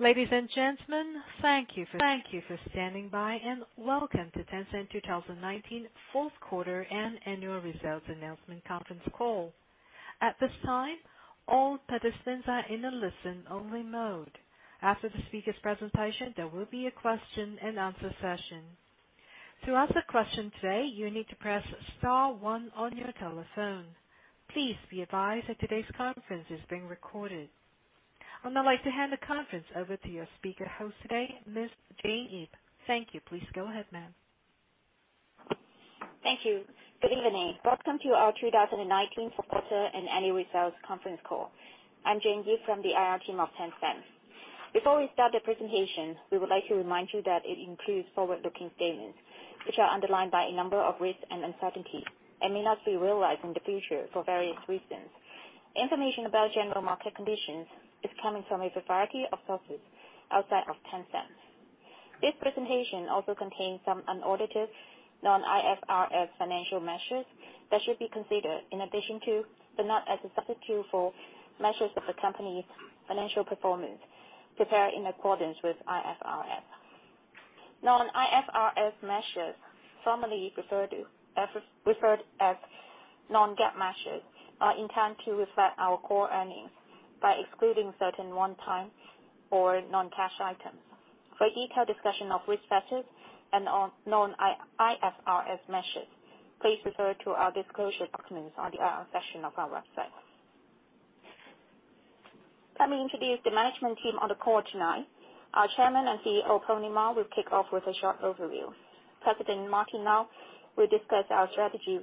Ladies and gentlemen, thank you for standing by, and welcome to Tencent 2019 fourth quarter and annual results announcement conference call. At this time, all participants are in a listen-only mode. After the speakers' presentation, there will be a question and answer session. To ask a question today, you need to press star one on your telephone. Please be advised that today's conference is being recorded. I'd now like to hand the conference over to your speaker host today, Ms. Jane Yip. Thank you. Please go ahead, ma'am. Thank you. Good evening. Welcome to our 2019 fourth quarter and annual results conference call. I'm Jane Yip from the IR team of Tencent. Before we start the presentation, we would like to remind you that it includes forward-looking statements, which are underlined by a number of risks and uncertainties, and may not be realized in the future for various reasons. Information about general market conditions is coming from a variety of sources outside of Tencent. This presentation also contains some unaudited non-IFRS financial measures that should be considered in addition to, but not as a substitute for, measures of the company's financial performance prepared in accordance with IFRS. Non-IFRS measures, formerly referred as non-GAAP measures, are intended to reflect our core earnings by excluding certain one-time or non-cash items. For a detailed discussion of risk factors and non-IFRS measures, please refer to our disclosure documents on the IR section of our website. Let me introduce the management team on the call tonight. Our Chairman and CEO, Pony Ma, will kick off with a short overview. President Martin Lau will discuss our strategy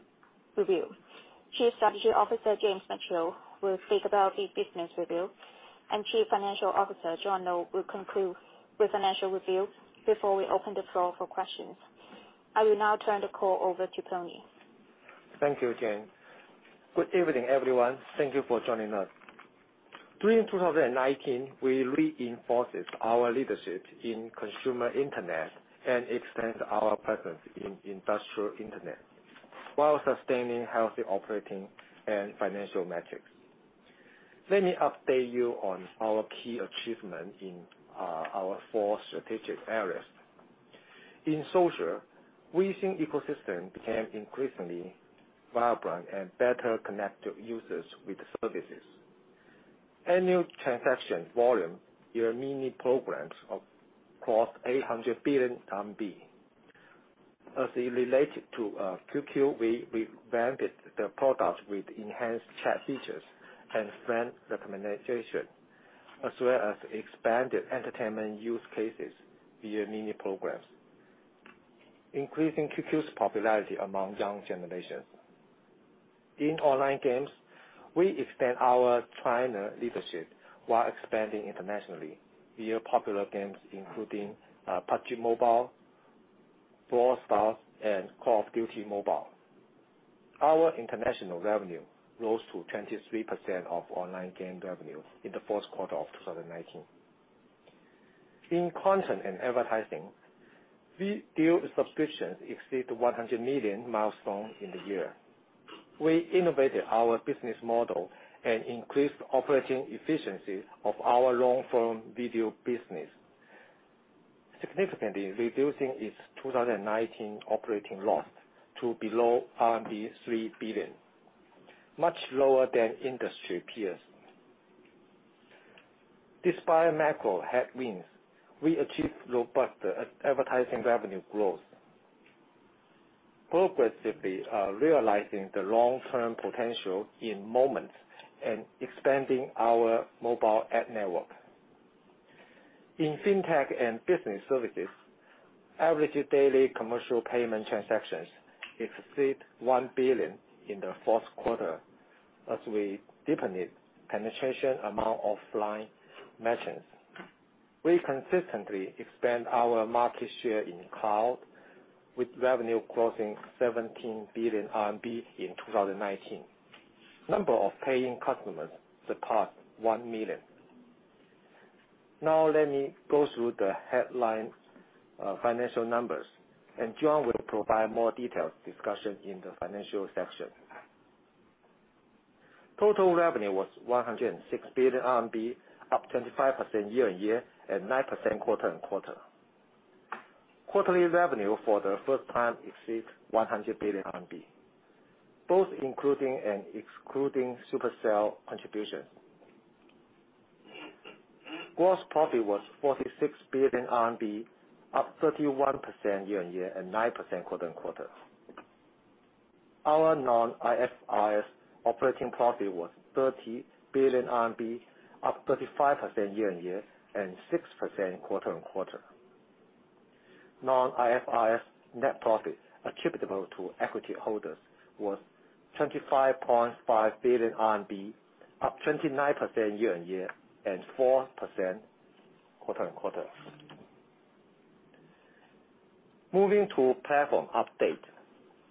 review. Chief Strategy Officer James Mitchell will speak about business review, and Chief Financial Officer John Lo will conclude with financial review before we open the floor for questions. I will now turn the call over to Pony. Thank you, Jane. Good evening, everyone. Thank you for joining us. During 2019, we reinforced our leadership in consumer internet and extended our presence in industrial internet while sustaining healthy operating and financial metrics. Let me update you on our key achievements in our four strategic areas. In social, Weixin ecosystem became increasingly vibrant and better connected users with services. Annual transaction volume via mini-programs crossed RMB 800 billion. As related to QQ, we revamped the product with enhanced chat features and friend recommendation, as well as expanded entertainment use cases via mini-programs, increasing QQ's popularity among young generations. In online games, we expand our China leadership while expanding internationally via popular games including PUBG Mobile, Brawl Stars, and Call of Duty: Mobile. Our international revenue rose to 23% of online game revenue in the fourth quarter of 2019. In content and advertising, video subscriptions exceeded 100 million milestones in the year. We innovated our business model and increased operating efficiency of our long-form video business, significantly reducing its 2019 operating loss to below RMB 3 billion, much lower than industry peers. Despite macro headwinds, we achieved robust advertising revenue growth, progressively realizing the long-term potential in Moments and expanding our mobile ad network. In fintech and business services, average daily commercial payment transactions exceed 1 billion in the fourth quarter as we deepened penetration among offline merchants. We consistently expand our market share in Cloud, with revenue crossing 17 billion RMB in 2019. Number of paying customers surpassed 1 million. Now let me go through the headline financial numbers, and John will provide more detailed discussion in the financial section. Total revenue was 106 billion RMB, up 25% year-on-year and 9% quarter-on-quarter. Quarterly revenue for the first time exceeds 100 billion RMB, both including and excluding Supercell contributions. Gross profit was 46 billion RMB, up 31% year-on-year and 9% quarter-on-quarter. Our non-IFRS operating profit was 30 billion RMB, up 35% year-on-year and 6% quarter-on-quarter. Non-IFRS net profit attributable to equity holders was 25.5 billion RMB, up 29% year-on-year and 4% quarter-on-quarter. Moving to platform update.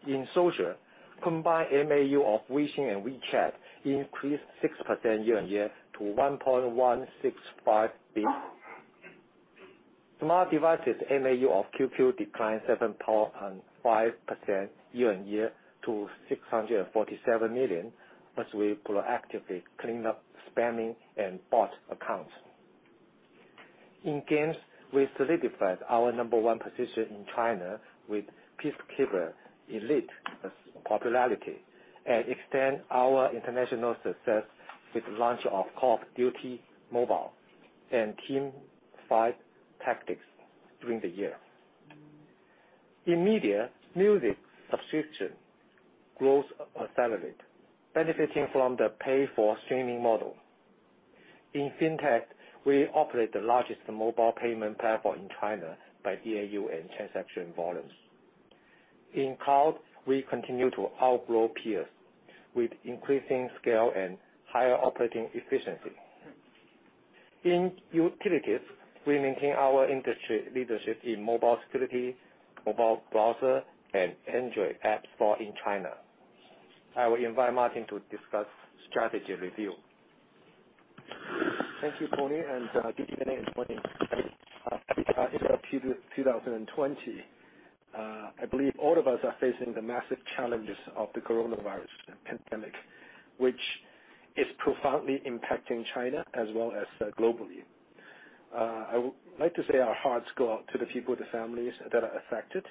In social, combined MAU of Weixin and WeChat increased 6% year-on-year to 1.165 billion. Smart devices MAU of QQ declined 7.5% year-on-year to 647 million, as we proactively cleaned up spamming and bot accounts. In games, we solidified our number one position in China with Peacekeeper Elite popularity, and extend our international success with launch of Call of Duty: Mobile and Teamfight Tactics during the year. In media, music subscription growth accelerated, benefiting from the pay-for-streaming model. In fintech, we operate the largest mobile payment platform in China by DAU and transaction volumes. In cloud, we continue to outgrow peers, with increasing scale and higher operating efficiency. In utilities, we maintain our industry leadership in mobile security, mobile browser, and Android app store in China. I will invite Martin to discuss strategy review. Thank you, Pony. Good evening, everyone. As we start 2020, I believe all of us are facing the massive challenges of the coronavirus pandemic, which is profoundly impacting China as well as globally. I would like to say our hearts go out to the people, the families that are affected,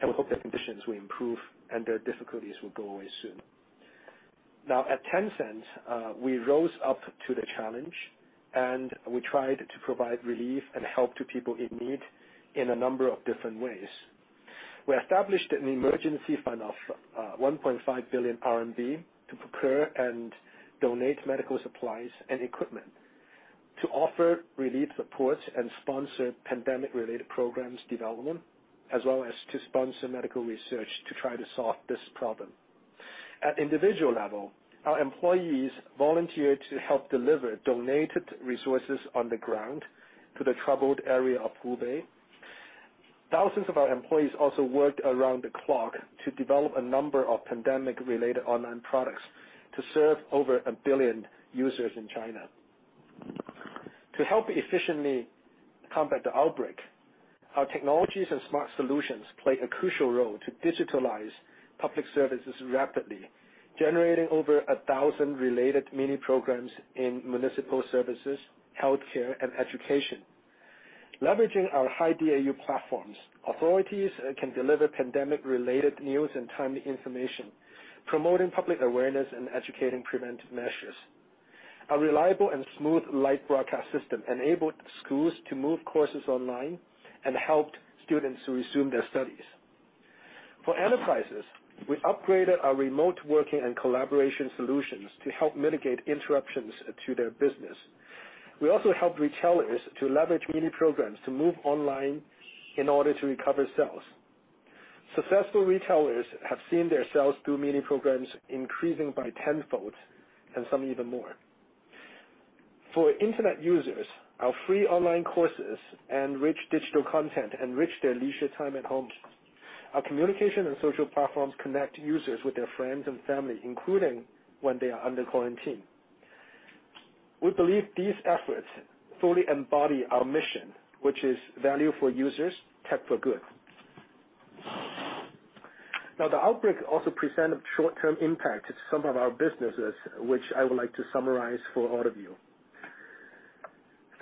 and we hope their conditions will improve and their difficulties will go away soon. Now, at Tencent, we rose up to the challenge, and we tried to provide relief and help to people in need in a number of different ways. We established an emergency fund of 1.5 billion RMB to procure and donate medical supplies and equipment, to offer relief support and sponsor pandemic-related programs development, as well as to sponsor medical research to try to solve this problem. At individual level, our employees volunteered to help deliver donated resources on the ground to the troubled area of Hubei. Thousands of our employees also worked around the clock to develop a number of pandemic-related online products to serve over a billion users in China. To help efficiently combat the outbreak, our technologies and smart solutions play a crucial role to digitalize public services rapidly, generating over 1,000 related Mini Programs in municipal services, healthcare, and education. Leveraging our high DAU platforms, authorities can deliver pandemic-related news and timely information, promoting public awareness and educating preventive measures. A reliable and smooth live broadcast system enabled schools to move courses online and helped students to resume their studies. For enterprises, we upgraded our remote working and collaboration solutions to help mitigate interruptions to their business. We also helped retailers to leverage Mini Programs to move online in order to recover sales. Successful retailers have seen their sales through Mini Programs increasing by tenfolds, and some even more. For Internet users, our free online courses and rich digital content enrich their leisure time at home. Our communication and social platforms connect users with their friends and family, including when they are under quarantine. We believe these efforts fully embody our mission, which is value for users, tech for good. Now, the outbreak also presented short-term impact to some of our businesses, which I would like to summarize for all of you.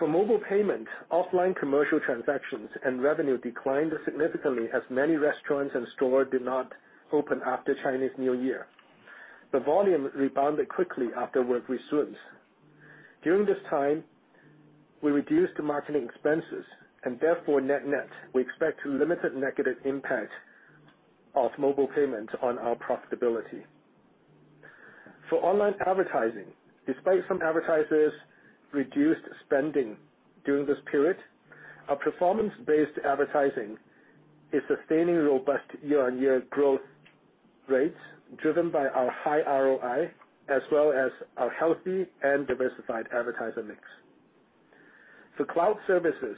For mobile payment, offline commercial transactions and revenue declined significantly as many restaurants and store did not open after Chinese New Year. The volume rebounded quickly after work resumes. During this time, we reduced marketing expenses and therefore net-net, we expect limited negative impact of mobile payment on our profitability. For online advertising, despite some advertisers reduced spending during this period, our performance-based advertising is sustaining robust year-on-year growth rates driven by our high ROI, as well as our healthy and diversified advertiser mix. For cloud services,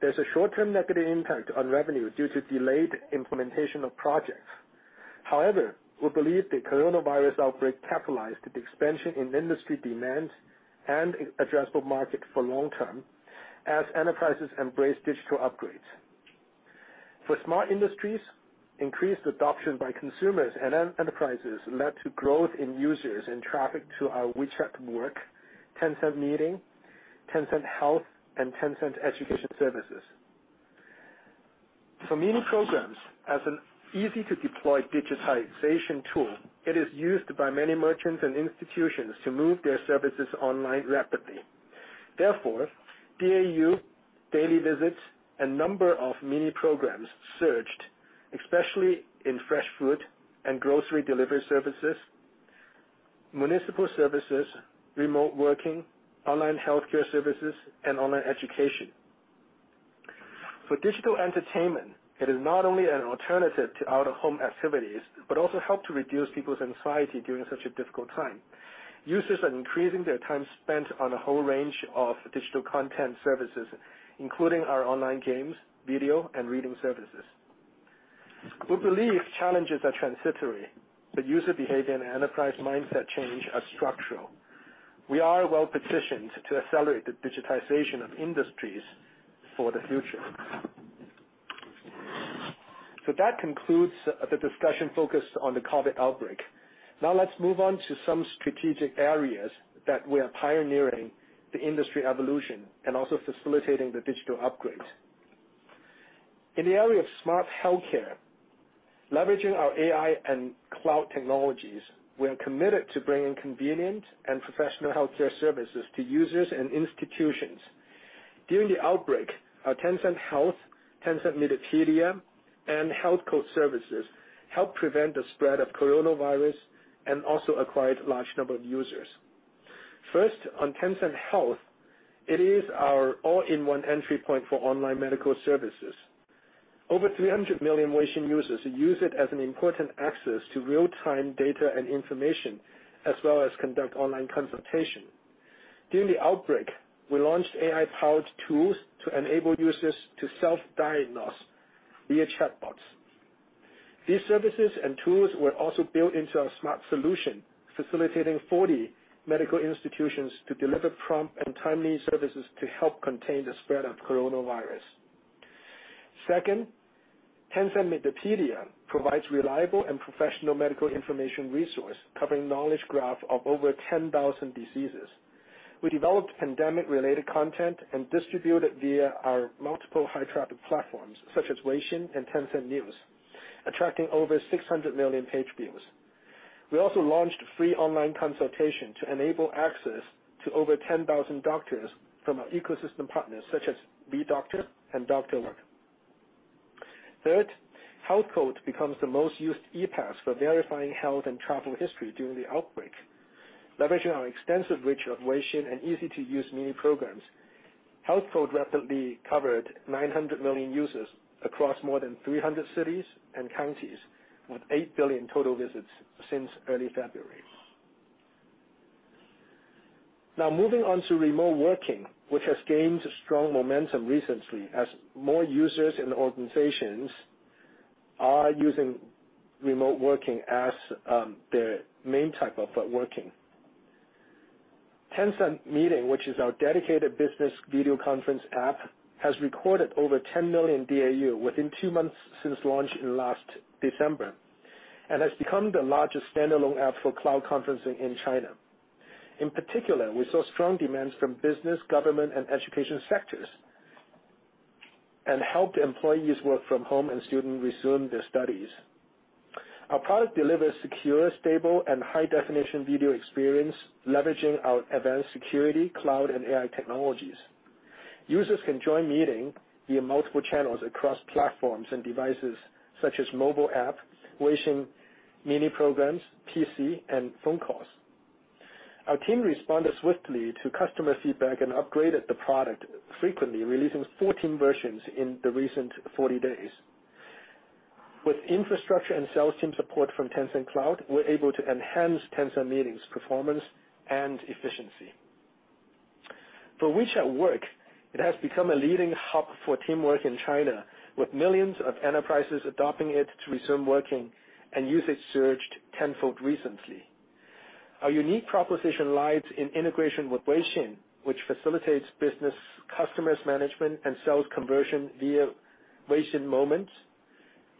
there's a short-term negative impact on revenue due to delayed implementation of projects. However, we believe the coronavirus outbreak catalyzed the expansion in industry demands and addressable market for long term as enterprises embrace digital upgrades. For smart industries, increased adoption by consumers and enterprises led to growth in users and traffic to our WeChat Work, Tencent Meeting, Tencent Health, and Tencent Education Services. For Mini Programs, as an easy-to-deploy digitization tool, it is used by many merchants and institutions to move their services online rapidly. Therefore, DAU, daily visits, and number of Mini Programs surged, especially in fresh food and grocery delivery services, municipal services, remote working, online healthcare services, and online education. For digital entertainment, it is not only an alternative to out-of-home activities, but also help to reduce people's anxiety during such a difficult time. Users are increasing their time spent on a whole range of digital content services, including our online games, video, and reading services. We believe challenges are transitory, but user behavior and enterprise mindset change are structural. We are well-positioned to accelerate the digitization of industries for the future. That concludes the discussion focused on the COVID outbreak. Now let's move on to some strategic areas that we are pioneering the industry evolution and also facilitating the digital upgrade. In the area of smart healthcare, leveraging our AI and cloud technologies, we are committed to bringing convenient and professional healthcare services to users and institutions. During the outbreak, our Tencent Health, Tencent Medipedia, and Health Code services helped prevent the spread of coronavirus and also acquired a large number of users. First, on Tencent Health, it is our all-in-one entry point for online medical services. Over 300 million Weixin users use it as an important access to real-time data and information, as well as conduct online consultation. During the outbreak, we launched AI-powered tools to enable users to self-diagnose via chatbots. These services and tools were also built into our smart solution, facilitating 40 medical institutions to deliver prompt and timely services to help contain the spread of coronavirus. Second, Tencent Medipedia provides reliable and professional medical information resource, covering a knowledge graph of over 10,000 diseases. We developed pandemic-related content and distributed via our multiple high-traffic platforms, such as Weixin and Tencent News, attracting over 600 million page views. We also launched free online consultation to enable access to over 10,000 doctors from our ecosystem partners such as WeDoctor and Tencent Doctorwork. Third, Health Code becomes the most used e-pass for verifying health and travel history during the outbreak. Leveraging our extensive reach of Weixin and easy-to-use mini-programs, Health Code rapidly covered 900 million users across more than 300 cities and counties with 8 billion total visits since early February. Now moving on to remote working, which has gained strong momentum recently as more users and organizations are using remote working as their main type of working. Tencent Meeting, which is our dedicated business video conference app, has recorded over 10 million DAU within two months since launch in last December, and has become the largest standalone app for cloud conferencing in China. In particular, we saw strong demands from business, government, and education sectors, and helped employees work from home and students resume their studies. Our product delivers secure, stable, and high-definition video experience leveraging our advanced security, cloud, and AI technologies. Users can join meetings via multiple channels across platforms and devices such as mobile app, Weixin mini-programs, PC, and phone calls. Our team responded swiftly to customer feedback and upgraded the product frequently, releasing 14 versions in the recent 40 days. With infrastructure and sales team support from Tencent Cloud, we're able to enhance Tencent Meeting's performance and efficiency. For WeChat Work, it has become a leading hub for teamwork in China, with millions of enterprises adopting it to resume working and usage surged tenfold recently. Our unique proposition lies in integration with Weixin, which facilitates business customers management, and sales conversion via Weixin Moments,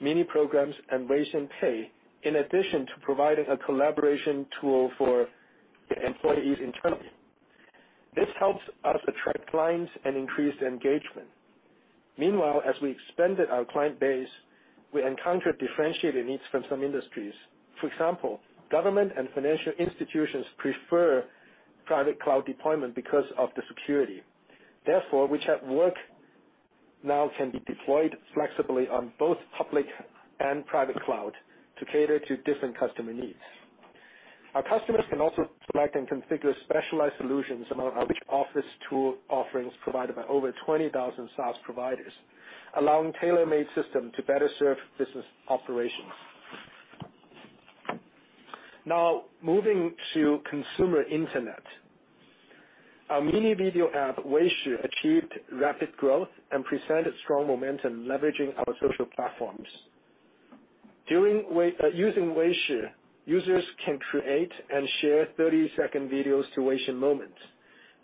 Mini-Programs, and Weixin Pay, in addition to providing a collaboration tool for employees internally. This helps us attract clients and increase engagement. Meanwhile, as we expanded our client base, we encountered differentiated needs from some industries. For example, government and financial institutions prefer private cloud deployment because of the security. Therefore, WeChat Work now can be deployed flexibly on both public and private cloud to cater to different customer needs. Our customers can also select and configure specialized solutions among our rich office tool offerings provided by over 20,000 SaaS providers, allowing tailor-made system to better serve business operations. Now moving to consumer Internet. Our mini video app, Weishi, achieved rapid growth and presented strong momentum leveraging our social platforms. Using Weishi, users can create and share 30-second videos to Weixin Moments.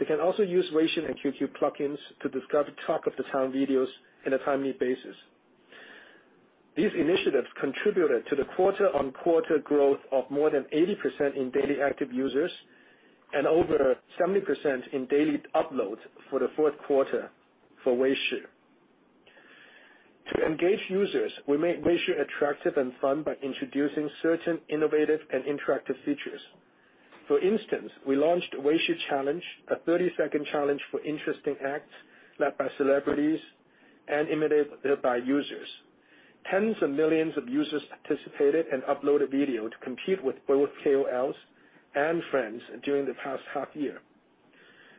They can also use Weixin and QQ plugins to discover top-of-the-trend videos in a timely basis. These initiatives contributed to the quarter-on-quarter growth of more than 80% in daily active users and over 70% in daily uploads for the fourth quarter for Weishi. To engage users, we made Weishi attractive and fun by introducing certain innovative and interactive features. For instance, we launched Weishi Challenge, a 30-second challenge for interesting acts led by celebrities and imitated by users. Tens of millions of users participated and uploaded video to compete with both KOLs and friends during the past half year.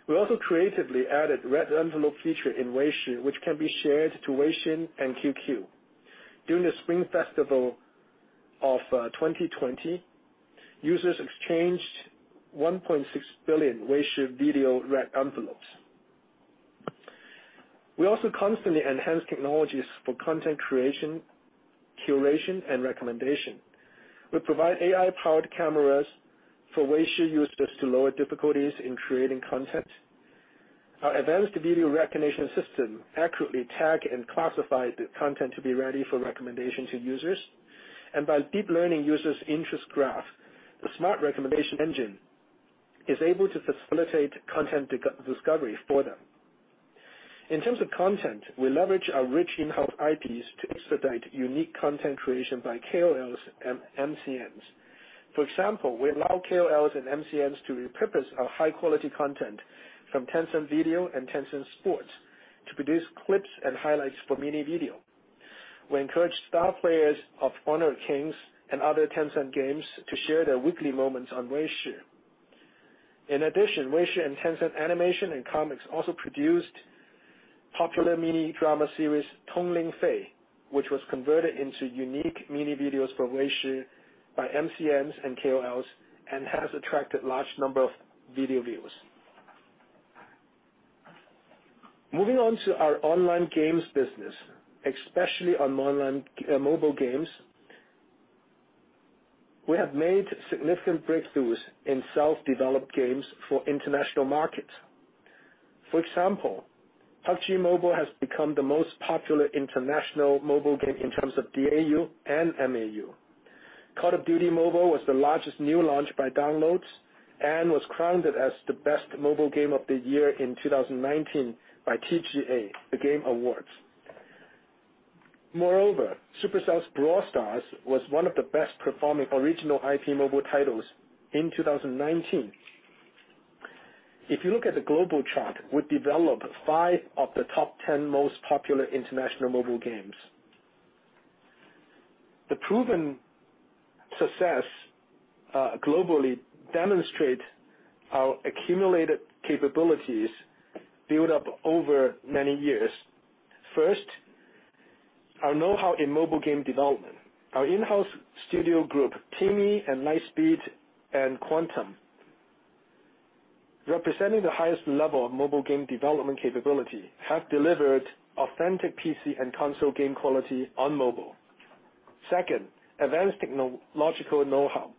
We also creatively added red envelope feature in Weishi, which can be shared to Weixin and QQ. During the Spring Festival of 2020, users exchanged 1.6 billion Weishi video red envelopes. We also constantly enhance technologies for content creation, curation, and recommendation. We provide AI-powered cameras for Weishi users to lower difficulties in creating content. Our advanced video recognition system accurately tags and classifies the content to be ready for recommendation to users. By deep learning users' interest graph, the smart recommendation engine is able to facilitate content discovery for them. In terms of content, we leverage our rich in-house IPs to expedite unique content creation by KOLs and MCNs. For example, we allow KOLs and MCNs to repurpose our high-quality content from Tencent Video and Tencent Sports to produce clips and highlights for mini video. We encourage star players of Honor of Kings and other Tencent games to share their weekly moments on Weishi. In addition, Weishi and Tencent Animation and Comics also produced popular mini drama series, "Tong Ling Fei," which was converted into unique mini videos for Weishi by MCNs and KOLs and has attracted large number of video views. Moving on to our online games business, especially on mobile games, we have made significant breakthroughs in self-developed games for international markets. For example, PUBG Mobile has become the most popular international mobile game in terms of DAU and MAU. Call of Duty: Mobile was the largest new launch by downloads and was crowned as the best mobile game of the year in 2019 by TGA, The Game Awards. Moreover, Supercell's Brawl Stars was one of the best-performing original IP mobile titles in 2019. If you look at the global chart, we developed five of the top 10 most popular international mobile games. The proven success globally demonstrates our accumulated capabilities built up over many years. First, our know-how in mobile game development. Our in-house studio group, TiMi and LightSpeed and Quantum, representing the highest level of mobile game development capability, have delivered authentic PC and console game quality on mobile. Second, advanced technological know-how.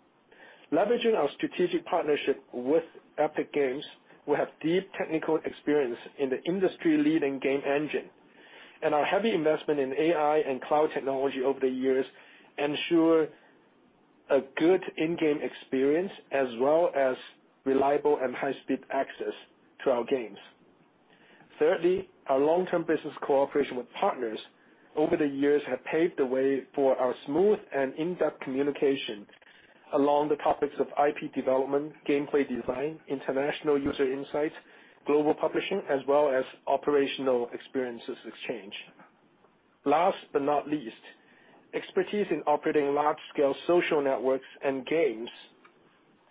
Leveraging our strategic partnership with Epic Games, we have deep technical experience in the industry-leading game engine, and our heavy investment in AI and cloud technology over the years ensure a good in-game experience, as well as reliable and high-speed access to our games. Thirdly, our long-term business cooperation with partners over the years have paved the way for our smooth and in-depth communication along the topics of IP development, gameplay design, international user insights, global publishing, as well as operational experiences exchange. Last but not least, expertise in operating large-scale social networks and games.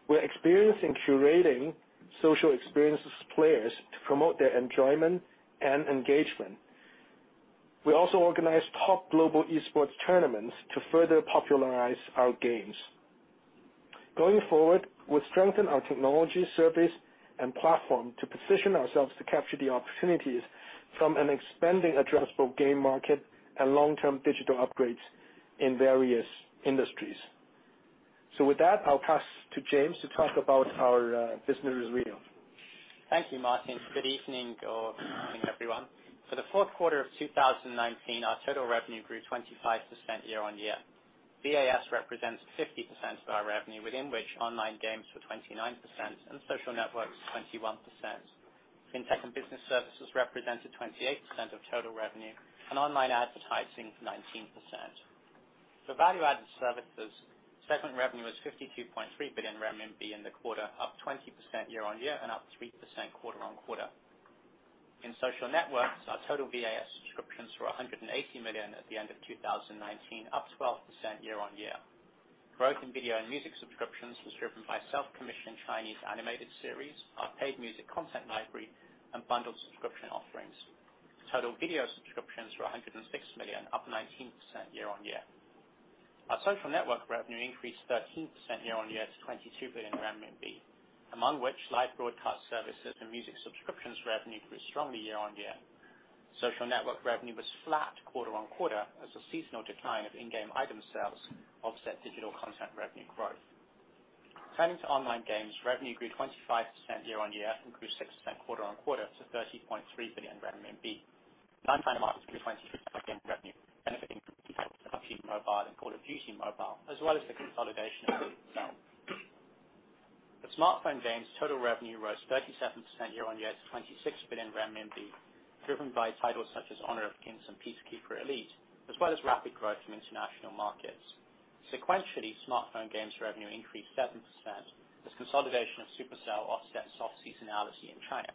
We're experienced in curating social experiences players to promote their enjoyment and engagement. We also organize top global esports tournaments to further popularize our games. Going forward, we'll strengthen our technology service and platform to position ourselves to capture the opportunities from an expanding addressable game market and long-term digital upgrades in various industries. With that, I'll pass to James to talk about our business review. Thank you, Martin. Good evening or morning, everyone. For the fourth quarter of 2019, our total revenue grew 25% year-on-year. VAS represents 50% of our revenue, within which online games were 29% and social networks, 21%. Fintech and business services represented 28% of total revenue, and online advertising, 19%. For value-added services, segment revenue was 32.3 billion RMB in the quarter, up 20% year-on-year and up 3% quarter-on-quarter. In social networks, our total VAS subscriptions were 180 million at the end of 2019, up 12% year-on-year. Growth in video and music subscriptions was driven by self-commissioned Chinese animated series, our paid music content library, and bundled subscription offerings. Total video subscriptions were 106 million, up 19% year-on-year. Our social network revenue increased 13% year-on-year to 22 billion RMB, among which live broadcast services and music subscriptions revenue grew strongly year-on-year. Social network revenue was flat quarter-on-quarter as the seasonal decline of in-game item sales offset digital content revenue growth. Turning to online games, revenue grew 25% year-on-year and grew 6% quarter-on-quarter to 30.3 billion RMB. [inaudible] PUBG Mobile and Call of Duty: Mobile, as well as the consolidation of Supercell. For smartphone games, total revenue rose 37% year-on-year to 26 billion renminbi, driven by titles such as Honor of Kings and Peacekeeper Elite, as well as rapid growth from international markets. Sequentially, smartphone games revenue increased 7% as consolidation of Supercell offset soft seasonality in China.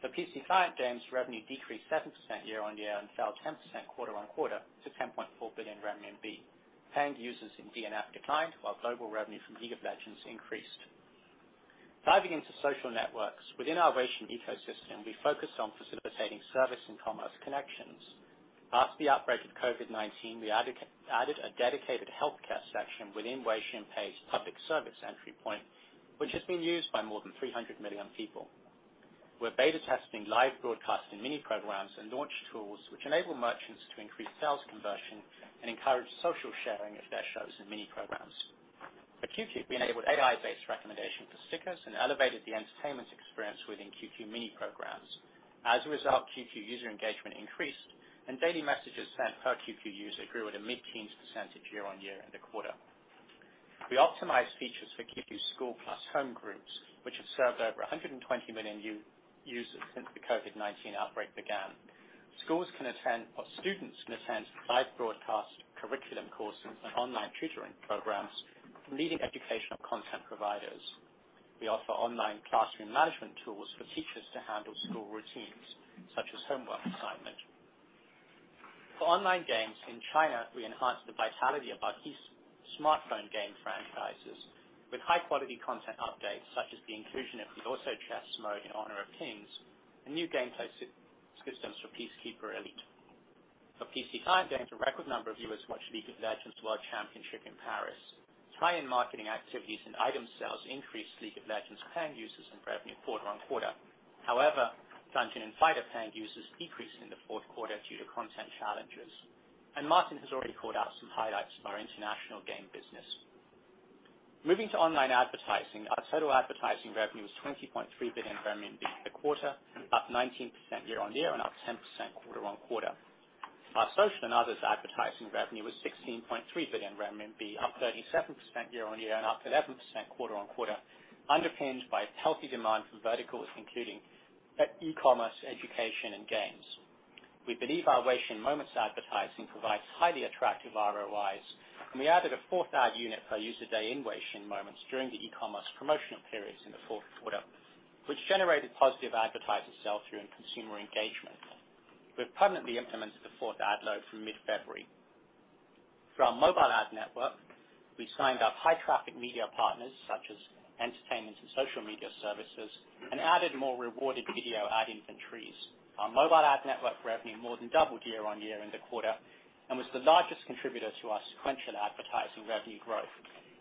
For PC client games, revenue decreased 7% year-on-year and fell 10% quarter-on-quarter to 10.4 billion renminbi. Paying users in DNF declined, while global revenue from League of Legends increased. Diving into social networks, within our Weixin ecosystem, we focus on facilitating service and commerce connections. After the outbreak of COVID-19, we added a dedicated healthcare section within WeChat Pay's public service entry point, which has been used by more than 300 million people. We're beta testing live broadcast in Mini Programs and launch tools which enable merchants to increase sales conversion and encourage social sharing of their shows and Mini Programs. At QQ, we enabled AI-based recommendation for stickers and elevated the entertainment experience within QQ Mini Programs. As a result, QQ user engagement increased, and daily messages sent per QQ user grew at a mid-teens percentage year on year in the quarter. We optimized features for QQ School Plus home groups, which have served over 120 million users since the COVID-19 outbreak began. Schools can attend, or students can attend live broadcast curriculum courses and online tutoring programs from leading educational content providers. We offer online classroom management tools for teachers to handle school routines, such as homework assignment. For online games in China, we enhanced the vitality of our key smartphone game franchises with high-quality content updates, such as the inclusion of the Auto Chess mode in Honor of Kings and new gameplay systems for Peacekeeper Elite. For PC client games, a record number of viewers watched League of Legends World Championship in Paris. Tie-in marketing activities and item sales increased League of Legends paying users and revenue quarter-on-quarter. However, Dungeon & Fighter paying users decreased in the fourth quarter due to content challenges. Martin has already called out some highlights of our international game business. Moving to online advertising, our total advertising revenue was 20.3 billion RMB in the quarter, up 19% year-on-year and up 10% quarter-on-quarter. Our social and others advertising revenue was 16.3 billion RMB, up 37% year-over-year and up 11% quarter-over-quarter, underpinned by healthy demand from verticals, including e-commerce, education, and games. We believe our WeChat Moments advertising provides highly attractive ROIs, and we added a fourth ad unit per user day in WeChat Moments during the e-commerce promotional periods in the fourth quarter, which generated positive advertiser sell-through and consumer engagement. We've permanently implemented the fourth ad load from mid-February. For our mobile ad network, we signed up high-traffic media partners such as entertainment and social media services, and added more rewarded video ad inventories. Our mobile ad network revenue more than doubled year-over-year in the quarter and was the largest contributor to our sequential advertising revenue growth,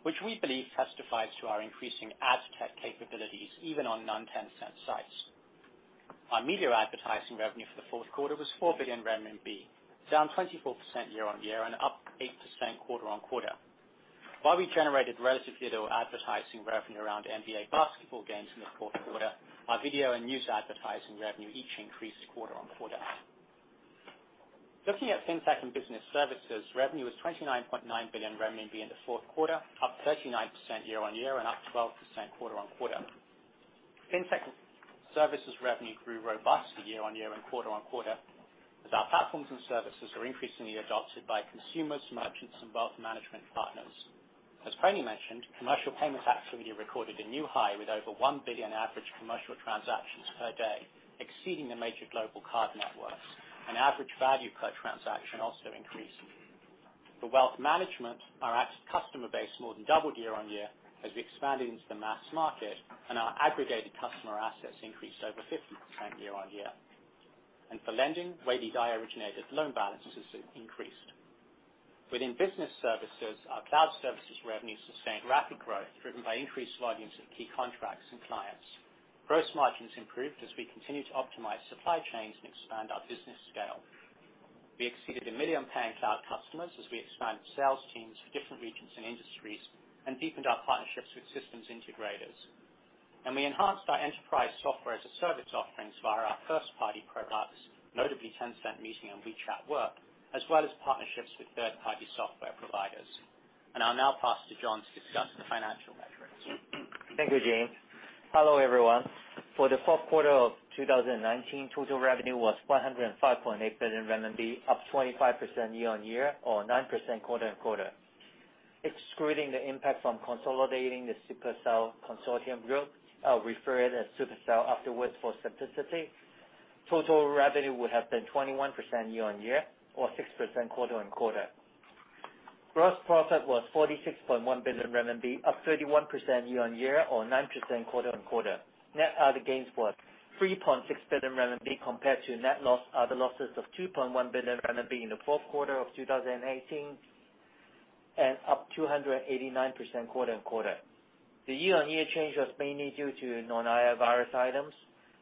which we believe testifies to our increasing ad tech capabilities even on non-Tencent sites. Our media advertising revenue for the fourth quarter was 4 billion renminbi, down 24% year-on-year and up 8% quarter-on-quarter. While we generated relatively little advertising revenue around NBA basketball games in the fourth quarter, our video and news advertising revenue each increased quarter-on-quarter. Looking at fintech and business services, revenue was 29.9 billion in the fourth quarter, up 39% year-on-year and up 12% quarter-on-quarter. Fintech services revenue grew robustly year-on-year and quarter-on-quarter as our platforms and services are increasingly adopted by consumers, merchants, and wealth management partners. As Pony mentioned, commercial payments activity recorded a new high with over 1 billion average commercial transactions per day, exceeding the major global card networks, and average value per transaction also increased. For wealth management, our customer base more than doubled year-on-year as we expanded into the mass market and our aggregated customer assets increased over 50% year-on-year. For lending, WeiLiDai originated loan balances increased. Within business services, our cloud services revenue sustained rapid growth driven by increased volumes of key contracts and clients. Gross margins improved as we continued to optimize supply chains and expand our business scale. We exceeded 1 million paying cloud customers as we expanded sales teams for different regions and industries and deepened our partnerships with systems integrators. We enhanced our enterprise software as a service offerings via our first-party products, notably Tencent Meeting and WeChat Work, as well as partnerships with third-party software providers. I'll now pass to John to discuss the financial metrics. Thank you, James. Hello, everyone. For the fourth quarter of 2019, total revenue was 105.8 billion RMB, up 25% year-on-year or 9% quarter-on-quarter. Excluding the impact from consolidating the Supercell consortium group, I'll refer it as Supercell afterwards for simplicity, total revenue would have been 21% year-on-year or 6% quarter-on-quarter. Gross profit was 46.1 billion RMB, up 31% year-on-year or 9% quarter-on-quarter. Net other gains was 3.6 billion RMB compared to net other losses of 2.1 billion RMB in the fourth quarter of 2018 and up 289% quarter-on-quarter. The year-on-year change was mainly due to non-IFRS items,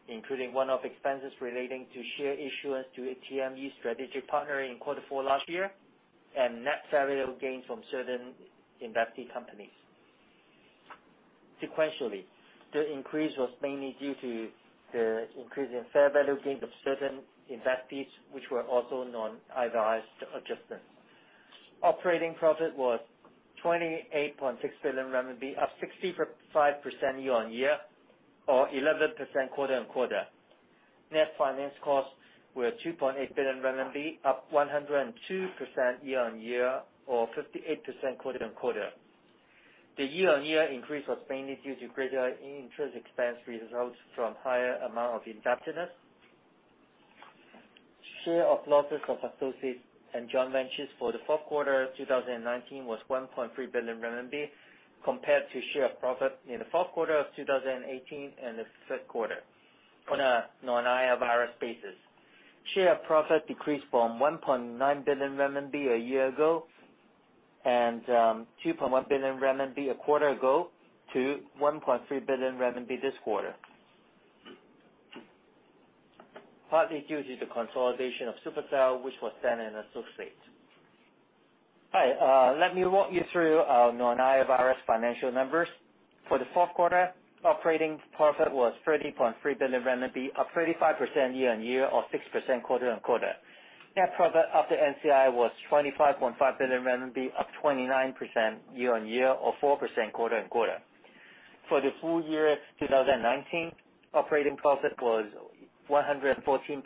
including one-off expenses relating to share issuance to a TME strategic partner in quarter four last year and net fair value gains from certain investee companies. Sequentially, the increase was mainly due to the increase in fair value gains of certain investees, which were also non-IFRS adjustments. Operating profit was 28.6 billion RMB, up 65% year-over-year or 11% quarter-on-quarter. Net finance costs were 2.8 billion RMB, up 102% year-over-year or 58% quarter-on-quarter. The year-over-year increase was mainly due to greater interest expense results from higher amount of indebtedness. Share of losses of associates and joint ventures for the fourth quarter of 2019 was 1.3 billion RMB. Compared to share of profit in the fourth quarter of 2018 and the third quarter on a non-IFRS basis. Share of profit decreased from 1.9 billion RMB a year ago and 2.1 billion RMB a quarter ago to 1.3 billion RMB this quarter. Partly due to the consolidation of Supercell, which was then an associate. Let me walk you through our non-IFRS financial numbers. For the fourth quarter, operating profit was 30.3 billion renminbi, up 35% year-on-year or 6% quarter-on-quarter. Net profit after NCI was 25.5 billion RMB, up 29% year-on-year or 4% quarter-on-quarter. For the full year 2019, operating profit was 114.6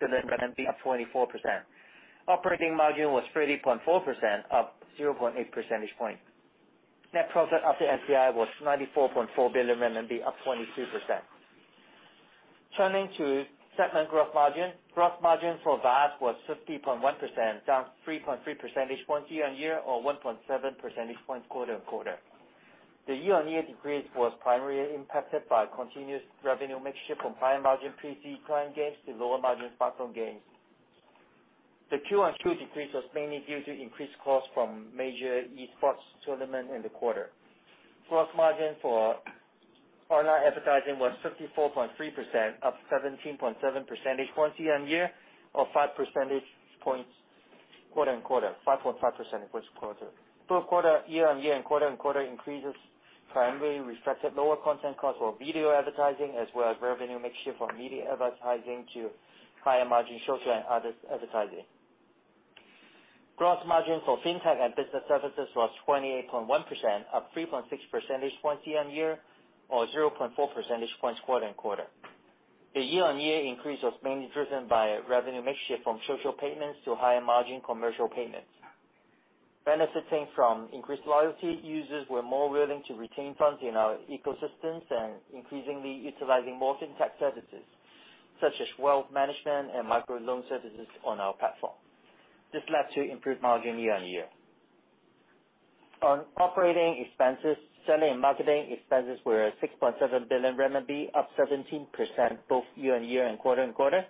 billion RMB, up 24%. Operating margin was 30.4%, up 0.8 percentage point. Net profit after NCI was 94.4 billion RMB, up 22%. Turning to segment gross margin. Gross margin for VAS was 50.1%, down 3.3 percentage points year-on-year or 1.7 percentage points quarter-on-quarter. The year-on-year decrease was primarily impacted by continuous revenue mixture from high-margin PC client games to lower margin platform games. The quarter-on-quarter decrease was mainly due to increased costs from major esports tournament in the quarter. Gross margin for online advertising was 54.3%, up 17.7 percentage points year-on-year or 5 percentage points quarter-on-quarter, 5.5% it was quarter. Both quarter year-on-year and quarter-on-quarter increases primarily reflected lower content cost for video advertising as well as revenue mixture from media advertising to higher margin social and other advertising. Gross margin for fintech and business services was 28.1% up 3.6 percentage points year-on-year or 0.4 percentage points quarter-on-quarter. The year-on-year increase was mainly driven by revenue mixture from social payments to higher margin commercial payments. Benefiting from increased loyalty users were more willing to retain funds in our ecosystems and increasingly utilizing more fintech services such as wealth management and microloan services on our platform. This led to improved margin year-on-year. On operating expenses, selling and marketing expenses were 6.7 billion RMB, up 17% both year-on-year and quarter-on-quarter.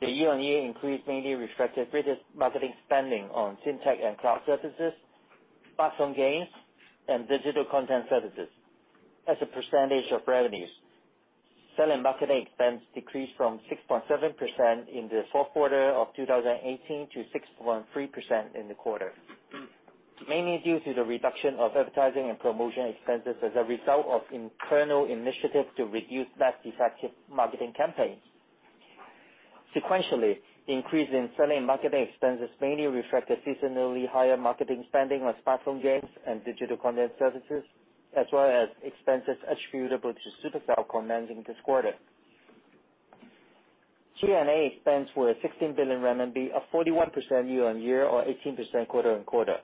The year-on-year increase mainly reflected greater marketing spending on fintech and cloud services, platform gains, and digital content services as a percentage of revenues. Selling and marketing expense decreased from 6.7% in the fourth quarter of 2018 to 6.3% in the quarter, mainly due to the reduction of advertising and promotion expenses as a result of internal initiative to reduce less effective marketing campaigns. Sequentially, increase in selling and marketing expenses mainly reflect a seasonally higher marketing spending on platform games and digital content services, as well as expenses attributable to Supercell commencing this quarter. G&A expenses were 16 billion renminbi, up 41% year-on-year or 18% quarter-on-quarter,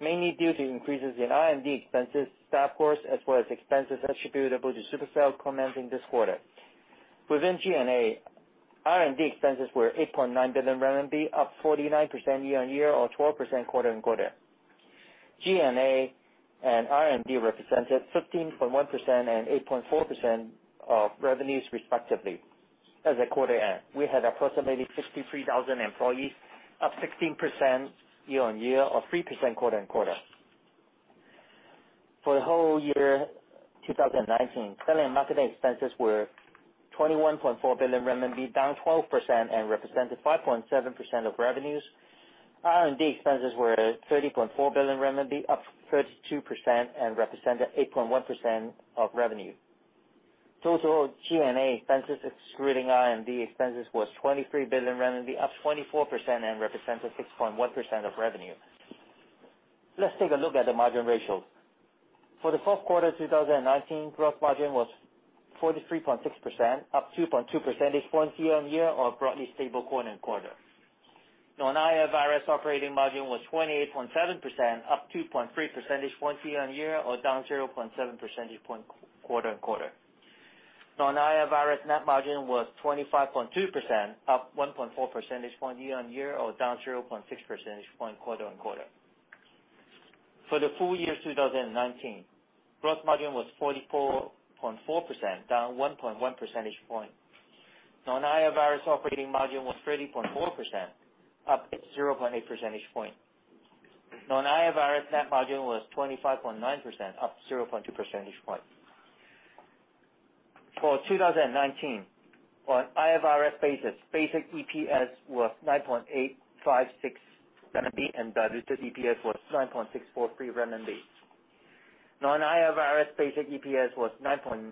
mainly due to increases in R&D expenses, staff costs, as well as expenses attributable to Supercell commencing this quarter. Within G&A, R&D expenses were 8.9 billion RMB, up 49% year-on-year or 12% quarter-on-quarter. G&A and R&D represented 15.1% and 8.4% of revenues respectively as at quarter end. We had approximately 63,000 employees, up 16% year-on-year or 3% quarter-on-quarter. For the whole year 2019, selling and marketing expenses were 21.4 billion RMB, down 12% and represented 5.7% of revenues. R&D expenses were 30.4 billion renminbi, up 32% and represented 8.1% of revenue. Total G&A expenses excluding R&D expenses was 23 billion renminbi, up 24% and represented 6.1% of revenue. Let's take a look at the margin ratios. For the fourth quarter 2019, gross margin was 43.6%, up 2.2 percentage points year-on-year or broadly stable quarter-on-quarter. Non-IFRS operating margin was 28.7%, up 2.3 percentage points year-on-year or down 0.7 percentage point quarter-on-quarter. Non-IFRS net margin was 25.2%, up 1.4 percentage point year-on-year or down 0.6 percentage point quarter-on-quarter. For the full year 2019, gross margin was 44.4%, down 1.1 percentage point. Non-IFRS operating margin was 30.4%, up 0.8 percentage point. Non-IFRS net margin was 25.9%, up 0.2 percentage point. For 2019, on IFRS basis, basic EPS was 9.856 RMB and diluted EPS was 9.643 RMB. Non-IFRS basic EPS was 9.966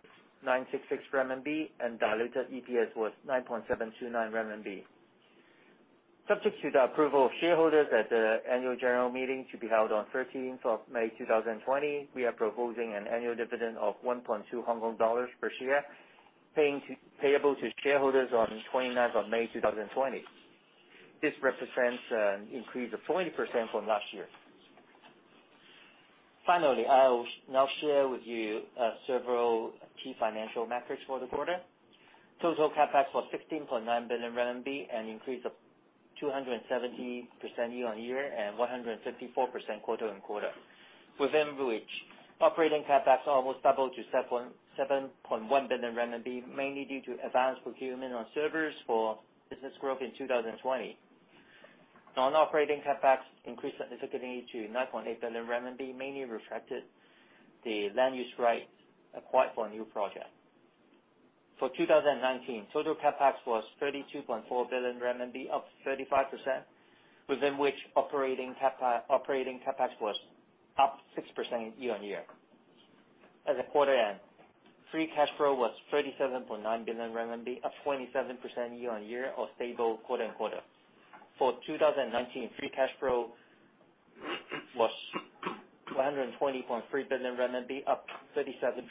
RMB and diluted EPS was 9.729 RMB. Subject to the approval of shareholders at the annual general meeting to be held on 13th of May 2020, we are proposing an annual dividend of 1.2 Hong Kong dollars per share, payable to shareholders on 29th of May 2020. This represents an increase of 20% from last year. Finally, I will now share with you several key financial metrics for the quarter. Total CapEx was 16.9 billion RMB, an increase of 270% year-on-year and 154% quarter-on-quarter. Within which, operating CapEx almost doubled to 7.1 billion RMB, mainly due to advanced procurement on servers for business growth in 2020. Non-operating CapEx increased significantly to 9.8 billion renminbi, mainly reflected the land use rights acquired for a new project. For 2019, total CapEx was 32.4 billion RMB, up 35%, within which operating CapEx was up 6% year-on-year. As of quarter-end, free cash flow was 37.9 billion RMB, up 27% year-on-year, or stable quarter-on-quarter. For 2019, free cash flow was 220.3 billion RMB, up 37%.